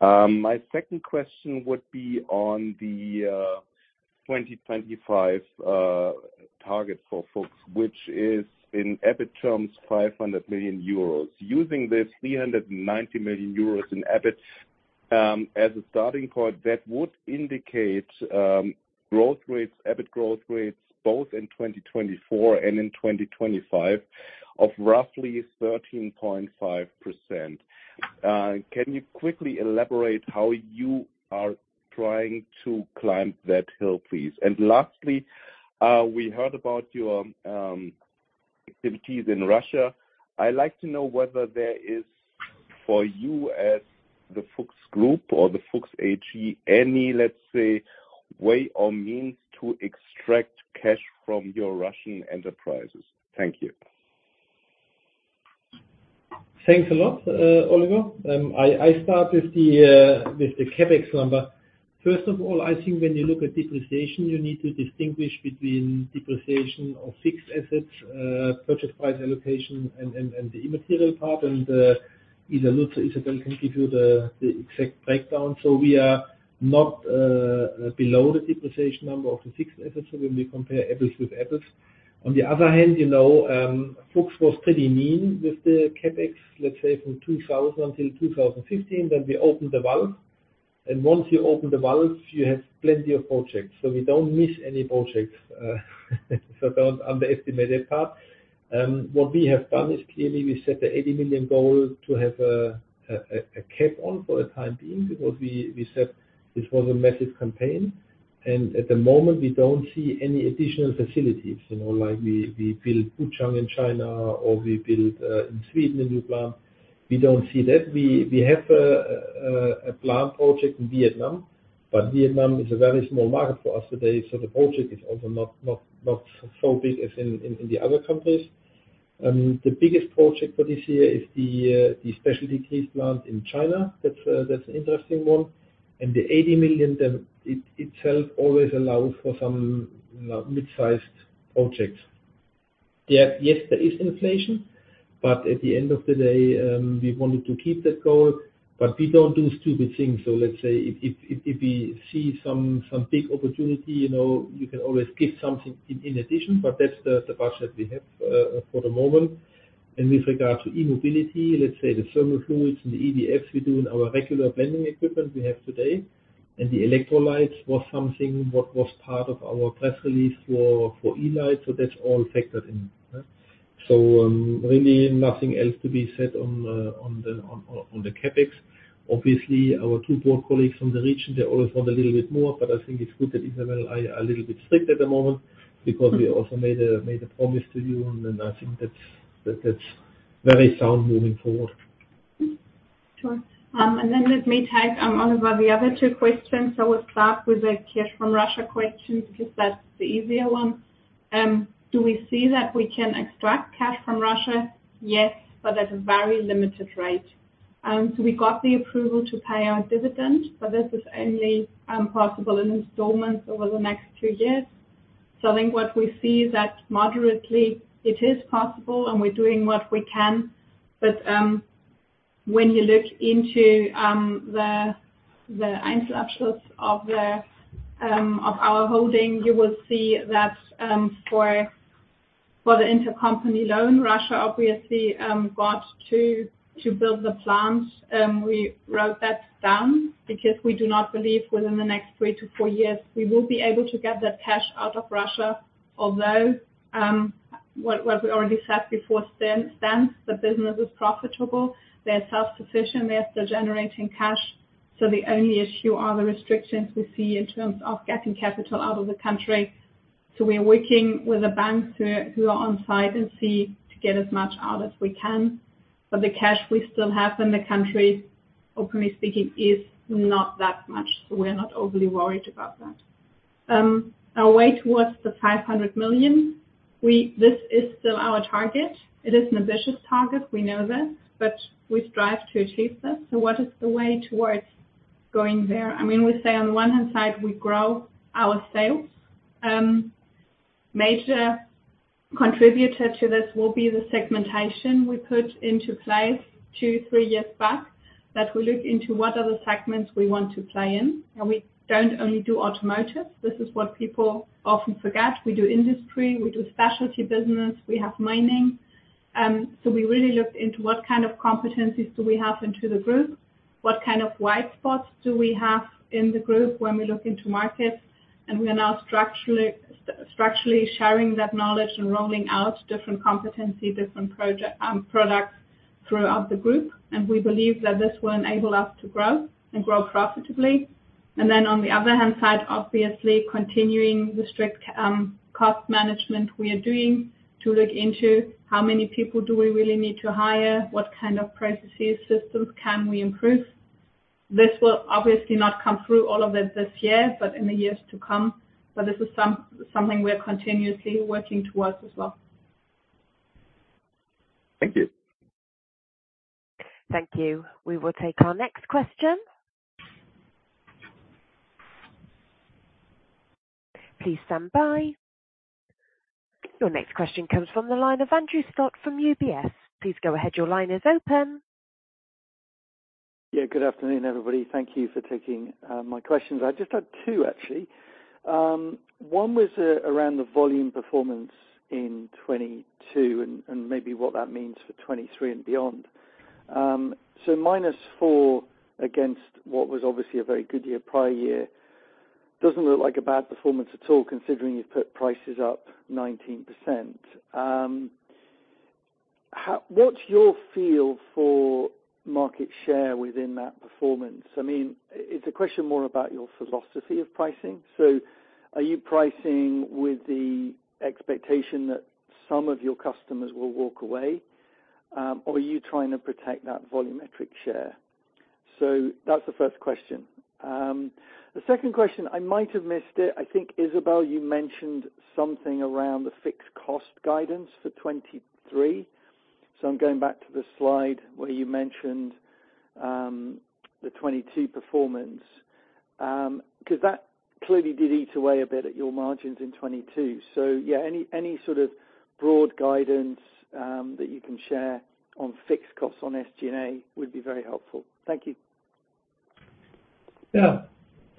My second question would be on the 2025 target for FUCHS, which is in EBIT terms, 500 million euros. Using this 390 million euros in EBIT as a starting point, that would indicate growth rates, EBIT growth rates, both in 2024 and in 2025 of roughly 13.5%. Can you quickly elaborate how you are trying to climb that hill, please? Lastly, we heard about your activities in Russia. I like to know whether there is for you as the FUCHS Group or the FUCHS SE, any, let's say, way or means to extract cash from your Russian enterprises. Thank you. Thanks a lot, Oliver. I start with the CapEx number. First of all, I think when you look at depreciation, you need to distinguish between depreciation of fixed assets, purchase price allocation and, and the immaterial part. Either Lutz or Isabelle can give you the exact breakdown. We are not below the depreciation number of the fixed assets when we compare apples with apples. On the other hand, you know, FUCHS was pretty mean with the CapEx, let's say from 2000 until 2015, then we opened the valve. Once you open the valves, you have plenty of projects. We don't miss any projects, so don't underestimate that part. What we have done is clearly we set the 80 million goal to have a cap on for the time being, because we said this was a message campaign. At the moment, we don't see any additional facilities, like we build Wujiang in China or we build in Sweden a new plant. We don't see that. We have a plant project in Vietnam, but Vietnam is a very small market for us today, so the project is also not so big as in the other countries. The biggest project for this year is the specialty grease plant in China. That's an interesting one. The 80 million itself always allows for some mid-sized projects. Yes, there is inflation, but at the end of the day, we wanted to keep that goal. We don't do stupid things. Let's say if we see some big opportunity, you know, you can always give something in addition, but that's the budget we have for the moment. With regard to e-mobility, let's say the thermal fluids and the EDFs we do in our regular vending equipment we have today. The electrolytes was something what was part of our press release for E-Lyte. That's all factored in, yeah. Really nothing else to be said on the CapEx. Obviously, our two poor colleagues from the region, they always want a little bit more, but I think it's good that Isabelle are a little bit strict at the moment because we also made a promise to you and then I think that's very sound moving forward. Sure. Let me tag on, Oliver, the other two questions. With Clark with the cash from Russia question, because that's the easier one. Do we see that we can extract cash from Russia? Yes, but at a very limited rate. We got the approval to pay our dividend, but this is only possible in installments over the next two years. I think what we see is that moderately it is possible and we're doing what we can. When you look into the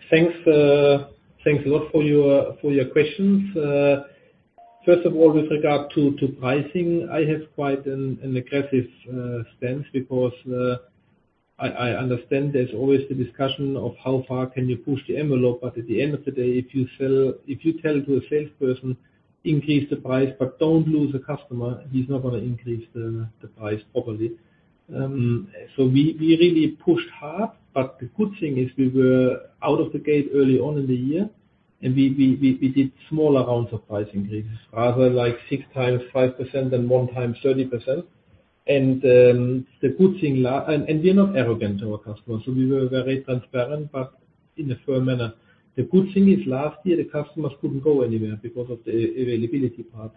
Thanks a lot for your questions. First of all, with regard to pricing, I have quite an aggressive stance because I understand there's always the discussion of how far can you push the envelope, but at the end of the day, if you tell to a salesperson, increase the price, but don't lose a customer, he's not gonna increase the price properly. We really pushed hard, but the good thing is we were out of the gate early on in the year and we did smaller rounds of price increases rather like 6 times 5% than 1 time 30%. The good thing. We're not arrogant to our customers, so we were very transparent, but in a firm manner. The good thing is last year, the customers couldn't go anywhere because of the availability part.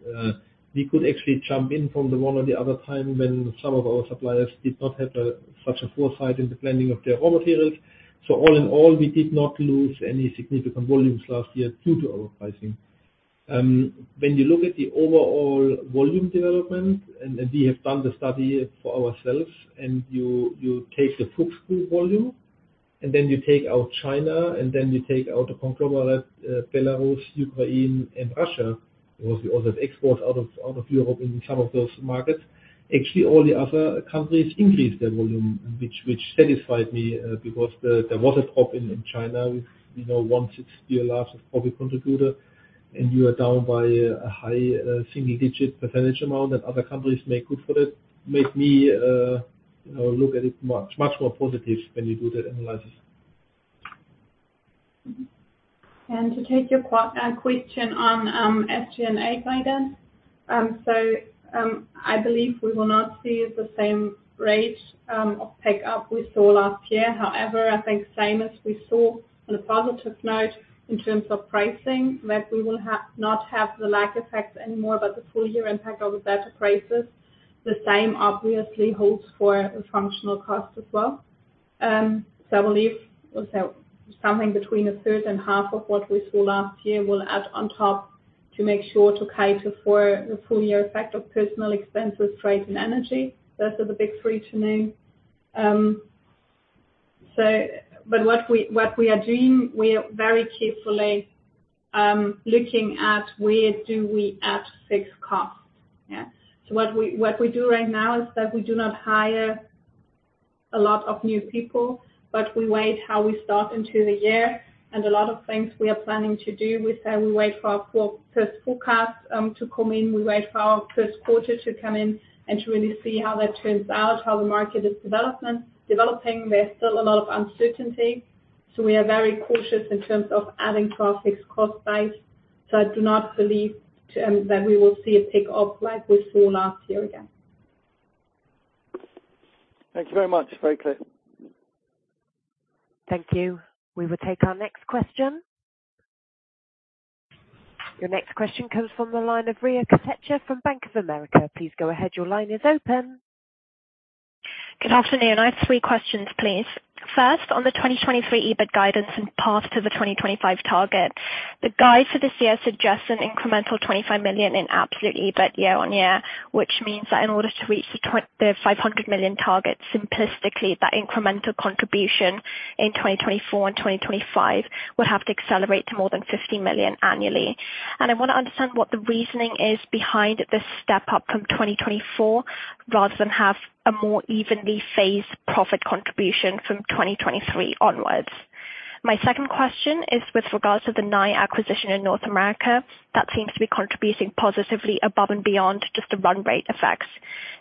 We could actually jump in from the one or the other time when some of our suppliers did not have such a foresight in the planning of their raw materials. All in all, we did not lose any significant volumes last year due to our pricing. When you look at the overall volume development, we have done the study for ourselves, you take the through volume and then you take out China, and then you take out the conglomerate, Belarus, Ukraine, and Russia, because we also export out of Europe in some of those markets. Actually, all the other countries increased their volume, which satisfied me, because there was a drop in China, you know, once it's still a large COVID contributor, and you are down by a high, single-digit % amount and other countries make good for it, make me, you know, look at it much, much more positive when you do that analysis. To take your question on SG&A guidance. I believe we will not see the same rate of pick up we saw last year. However, I think same as we saw on a positive note in terms of pricing, that we will not have the lag effects anymore, but the full year impact of the better prices. The same obviously holds for the functional cost as well. I believe we'll have something between a third and half of what we saw last year will add on top to make sure to cater for the full year effect of personal expenses, freight, and energy. Those are the big three to name. What we, what we are doing, we are very carefully looking at where do we add fixed costs. Yeah. What we do right now is that we do not hire a lot of new people, but we wait how we start into the year. A lot of things we are planning to do, we say we wait for our first forecast to come in. We wait for our first quarter to come in and to really see how that turns out, how the market is developing. There's still a lot of uncertainty, so we are very cautious in terms of adding to our fixed cost base. I do not believe that we will see a pick up like we saw last year again. Thank you very much. Very clear. Thank you. We will take our next question. Your next question comes from the line of Riya Kotecha from Bank of America. Please go ahead. Your line is open. Good afternoon. I have three questions, please. First, on the 2023 EBIT guidance and path to the 2025 target. The guide for this year suggests an incremental 25 million in absolute EBIT year-over-year, which means that in order to reach the 500 million target, simplistically, that incremental contribution in 2024 and 2025 would have to accelerate to more than 50 million annually. I wanna understand what the reasoning is behind this step-up from 2024, rather than have a more evenly phased profit contribution from 2023 onwards. My second question is with regards to the Nye acquisition in North America, that seems to be contributing positively above and beyond just the run rate effects.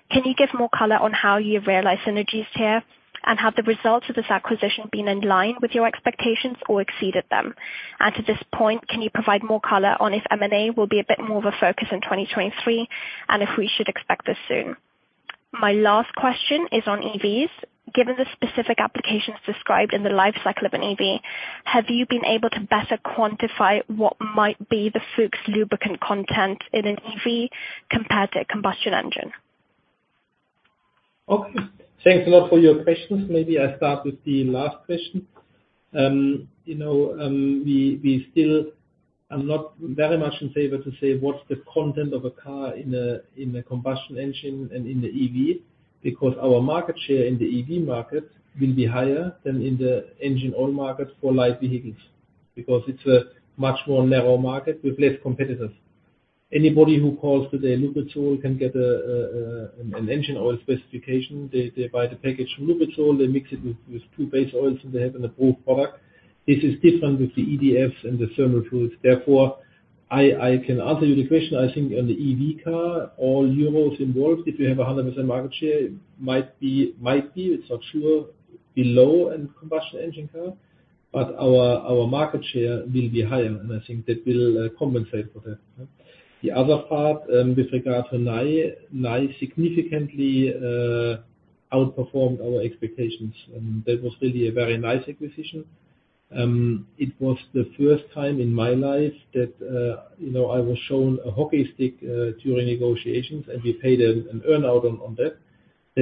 Can you give more color on how you realize synergies here? Have the results of this acquisition been in line with your expectations or exceeded them? To this point, can you provide more color on if M&A will be a bit more of a focus in 2023, and if we should expect this soon? My last question is on EVs. Given the specific applications described in the life cycle of an EV, have you been able to better quantify what might be the FUCHS lubricant content in an EV compared to a combustion engine? Okay. Thanks a lot for your questions. Maybe I start with the last question. You know, we still are not very much in favor to say what's the content of a car in a combustion engine and in the EV, because our market share in the EV market will be higher than in the engine oil market for light vehicles, because it's a much more narrow market with less competitors. Anybody who calls to their Lubrizol can get an engine oil specification. They buy the package from Lubrizol, they mix it with two base oils, and they have an approved product. This is different with the EDFs and the thermal fluids. I can answer you the question. I think on the EV car, all EUR involved, if you have a 100% market share, might be, it's not sure, below in combustion engine car, but our market share will be higher. I think that will compensate for that. The other part, with regard to Nye significantly outperformed our expectations. That was really a very nice acquisition. It was the first time in my life that, you know, I was shown a hockey stick during negotiations. We paid an earn out on that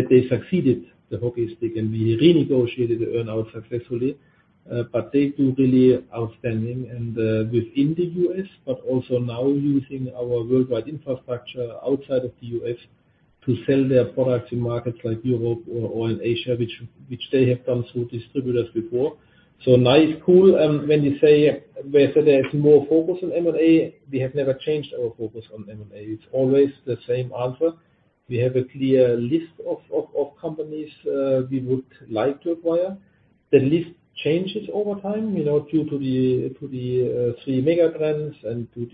they succeeded the hockey stick, and we renegotiated the earn out successfully. They do really outstanding within the U.S., but also now using our worldwide infrastructure outside of the U.S. to sell their products in markets like Europe or in Asia, which they have done through distributors before. Nye is cool. When you say whether there is more focus on M&A, we have never changed our focus on M&A. It's always the same answer. We have a clear list of companies we would like to acquire. The list changes over time, you know, due to the three mega trends and to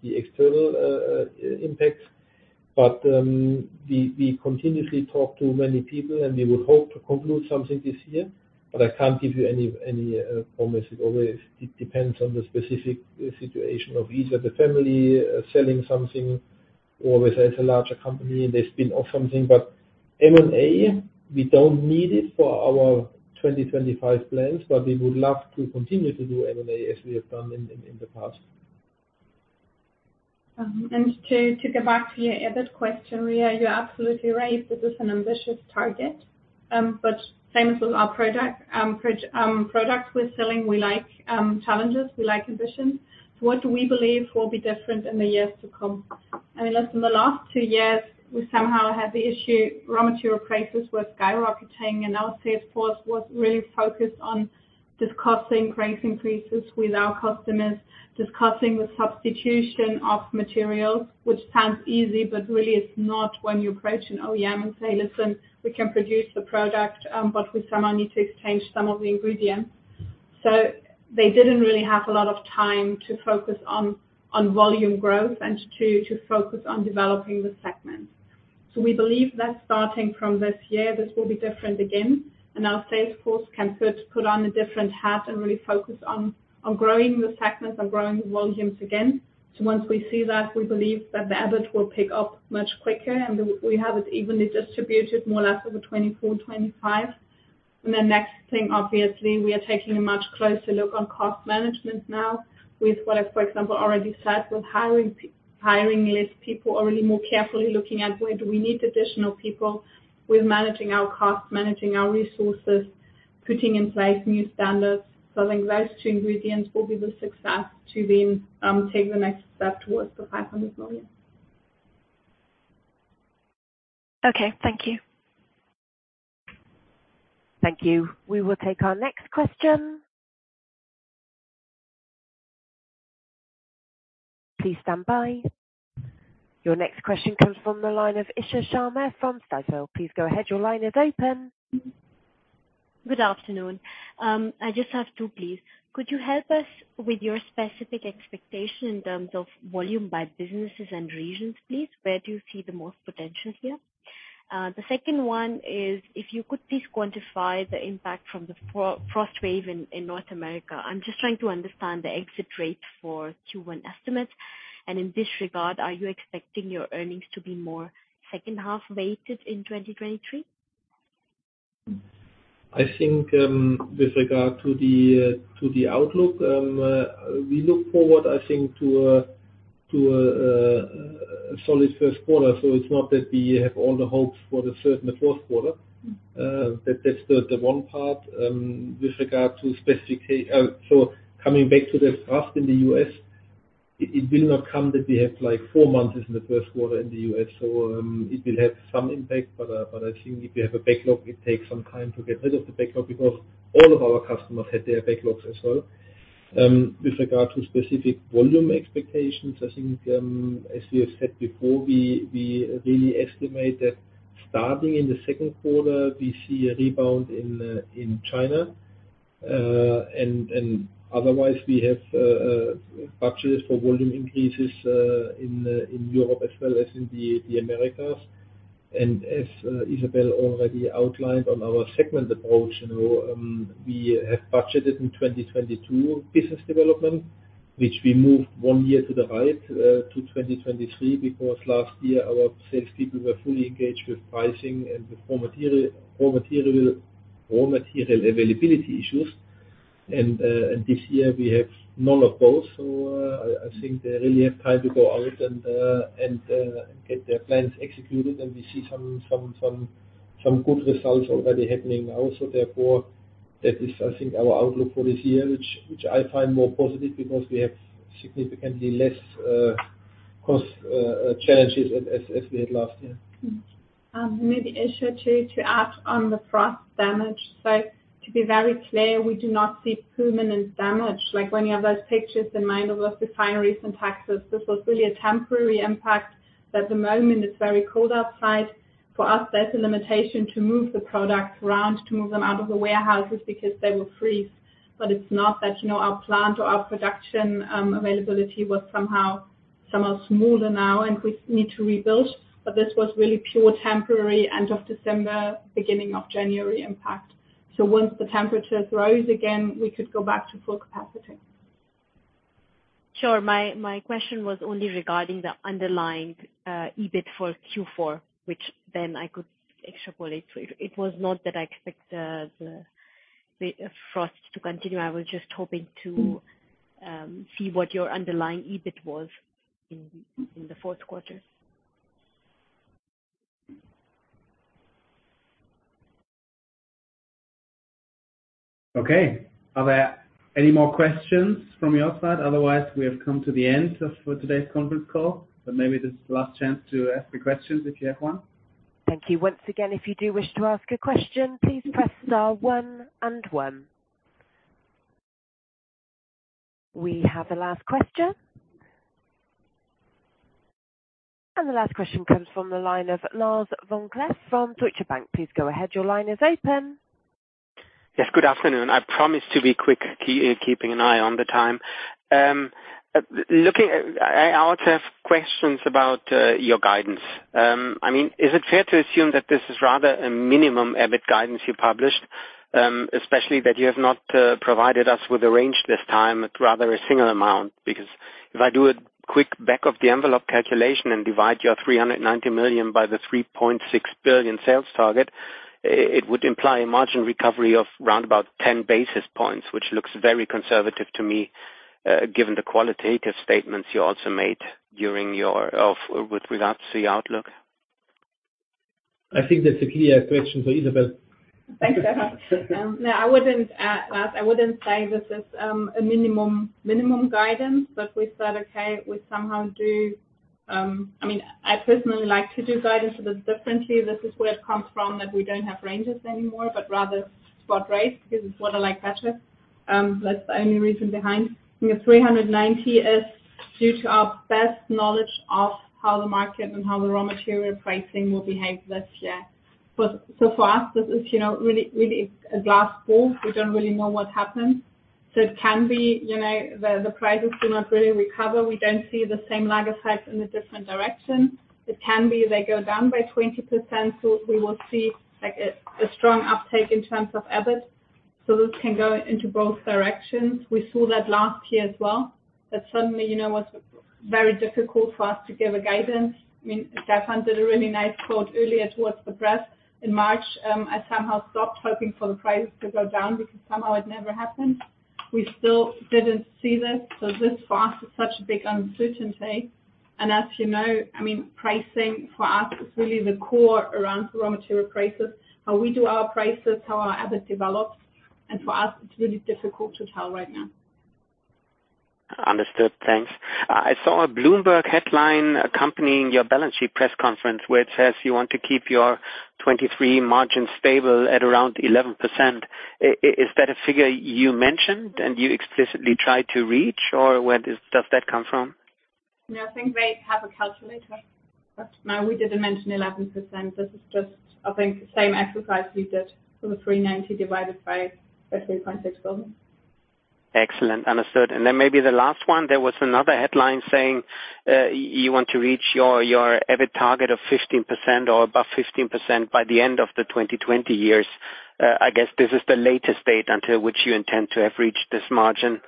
the external impacts. We continuously talk to many people, and we would hope to conclude something this year, but I can't give you any promise. It always depends on the specific situation of either the family selling something or whether it's a larger company and they spin off something. M&A, we don't need it for our 2025 plans, but we would love to continue to do M&A as we have done in the past. To go back to your EBIT question, Ria, you're absolutely right. This is an ambitious target, but same as with our product we're selling, we like challenges. We like ambition. What do we believe will be different in the years to come? I mean, listen, the last two years, we somehow had the issue, raw material prices were skyrocketing and our sales force was really focused on discussing price increases with our customers, discussing the substitution of materials, which sounds easy, but really is not when you approach an OEM and say, "Listen, we can produce the product, but we somehow need to exchange some of the ingredients." They didn't really have a lot of time to focus on volume growth and to focus on developing the segments. We believe that starting from this year, this will be different again, and our sales force can put on a different hat and really focus on growing the segments and growing the volumes again. Once we see that, we believe that the EBIT will pick up much quicker, and we have it evenly distributed more or less over 2024, 2025. The next thing, obviously, we are taking a much closer look on cost management now with what, for example, already said with hiring less people or really more carefully looking at where do we need additional people with managing our costs, managing our resources, putting in place new standards. I think those two ingredients will be the success to then take the next step towards the 500 million. Okay. Thank you. Thank you. We will take our next question. Please stand by. Your next question comes from the line of Isha Sharma from Jefferies. Please go ahead. Your line is open. Good afternoon. I just have two, please. Could you help us with your specific expectation in terms of volume by businesses and regions, please? Where do you see the most potential here? The second one is, if you could please quantify the impact from the frost wave in North America. I'm just trying to understand the exit rate for Q1 estimates. In this regard, are you expecting your earnings to be more second half weighted in 2023? I think, with regard to the outlook, we look forward, I think, to a solid first quarter, so it's not that we have all the hopes for the third and the fourth quarter. That's the one part. With regard to specific, coming back to the frost in the U.S., it will not come that we have like 4 months is in the first quarter in the U.S. It will have some impact, but I think if you have a backlog, it takes some time to get rid of the backlog because all of our customers had their backlogs as well. With regard to specific volume expectations, I think, as we have said before, we really estimate that starting in the second quarter, we see a rebound in China. Otherwise we have budgets for volume increases in Europe as well as in the Americas. As Isabelle Adelt already outlined on our segment approach, you know, we have budgeted in 2022 business development, which we moved 1 year to the right, to 2023 because last year our salespeople were fully engaged with pricing and the raw material availability issues. This year we have none of those. I think they really have time to go out and get their plans executed. We see some good results already happening now. Therefore, that is, I think, our outlook for this year, which I find more positive because we have significantly less cost challenges as we had last year. Maybe, Isha, to add on the frost damage. To be very clear, we do not see permanent damage. Like, when you have those pictures in mind of those refineries in Texas, this was really a temporary impact that the moment it's very cold outside. For us, that's a limitation to move the products around, to move them out of the warehouses because they will freeze. It's not that, you know, our plant or our production availability was somehow smaller now and we need to rebuild. This was really pure temporary end of December, beginning of January impact. Once the temperature grows again, we could go back to full capacity. Sure. My question was only regarding the underlying EBIT for Q4, which then I could extrapolate. It was not that I expect the frost to continue. I was just hoping. Mm-hmm. see what your underlying EBIT was in the fourth quarter. Okay. Are there any more questions from your side? Otherwise, we have come to the end of today's conference call. Maybe this is the last chance to ask a question if you have one. Thank you. Once again, if you do wish to ask a question, please press star 1 and 1. We have a last question. The last question comes from the line of Lars Vom-Cleff from Deutsche Bank. Please go ahead. Your line is open. Yes. Good afternoon. I promise to be quick, keeping an eye on the time. I also have questions about your guidance. I mean, is it fair to assume that this is rather a minimum EBIT guidance you published? especially that you have not provided us with a range this time, but rather a single amount. If I do a quick back of the envelope calculation and divide your 390 million by the 3.6 billion sales target, it would imply a margin recovery of round about 10 basis points, which looks very conservative to me, given the qualitative statements you also made during your With regards to the outlook. I think that's a clear question for Isabelle. Thanks, Stefan. No, I wouldn't, I wouldn't say this is a minimum guidance, but we said, okay, we somehow do... I mean, I personally like to do guidance a bit differently. This is where it comes from, that we don't have ranges anymore, but rather spot rates, because it's what I like better. That's the only reason behind. You know, 390 is due to our best knowledge of how the market and how the raw material pricing will behave this year. So far, this is, you know, really a glass ball. We don't really know what happened. It can be, you know, the prices do not really recover. We don't see the same lager types in a different direction. It can be they go down by 20%, we will see, like, a strong uptake in terms of EBIT. This can go into both directions. We saw that last year as well, that suddenly, you know, was very difficult for us to give a guidance. I mean, Stefan did a really nice quote earlier towards the press. In March, I somehow stopped hoping for the prices to go down because somehow it never happened. We still didn't see this. This for us is such a big uncertainty. As you know, I mean, pricing for us is really the core around the raw material prices, how we do our prices, how our EBIT develops. For us, it's really difficult to tell right now. Understood. Thanks. I saw a Bloomberg headline accompanying your balance sheet press conference, where it says you want to keep your 23 margin stable at around 11%. Is that a figure you mentioned and you explicitly tried to reach, or where does that come from? Nothing rates have a calculator. No, we didn't mention 11%. This is just, I think, the same exercise we did for the 390 divided by the 3.6 billion. Excellent. Understood. Then maybe the last one, there was another headline saying, you want to reach your EBIT target of 15% or above 15% by the end of the 2020 years. I guess this is the latest date until which you intend to have reached this margin,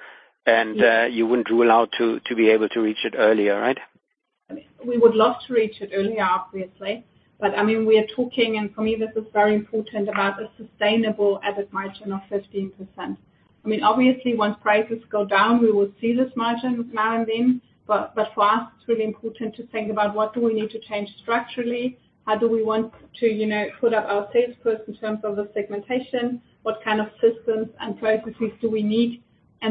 and you wouldn't rule out to be able to reach it earlier, right? We would love to reach it earlier, obviously. I mean, we are talking, and for me this is very important, about a sustainable EBIT margin of 15%. I mean, obviously, once prices go down, we will see this margin now and then. For us, it's really important to think about what do we need to change structurally? How do we want to, you know, put up our sales push in terms of the segmentation? What kind of systems and processes do we need?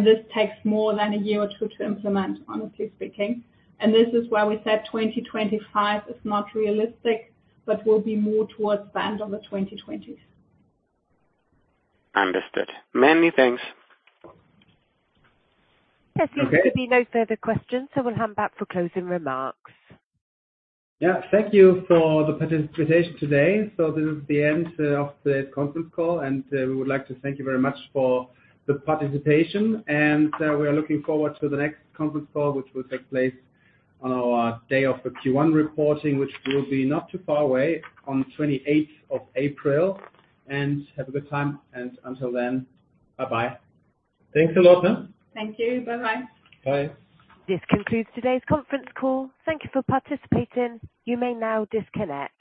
This takes more than a year or two to implement, honestly speaking. This is why we said 2025 is not realistic, but will be more towards the end of the 2020s. Understood. Many thanks. Okay. There seems to be no further questions, so we'll hand back for closing remarks. Yeah. Thank you for the participation today. This is the end of the conference call, we would like to thank you very much for the participation. We are looking forward to the next conference call, which will take place on our day of the Q1 reporting, which will be not too far away on 28th of April. Have a good time, and until then, bye-bye. Thanks a lot. Thank you. Bye-bye. Bye. This concludes today's conference call. Thank you for participating. You may now disconnect.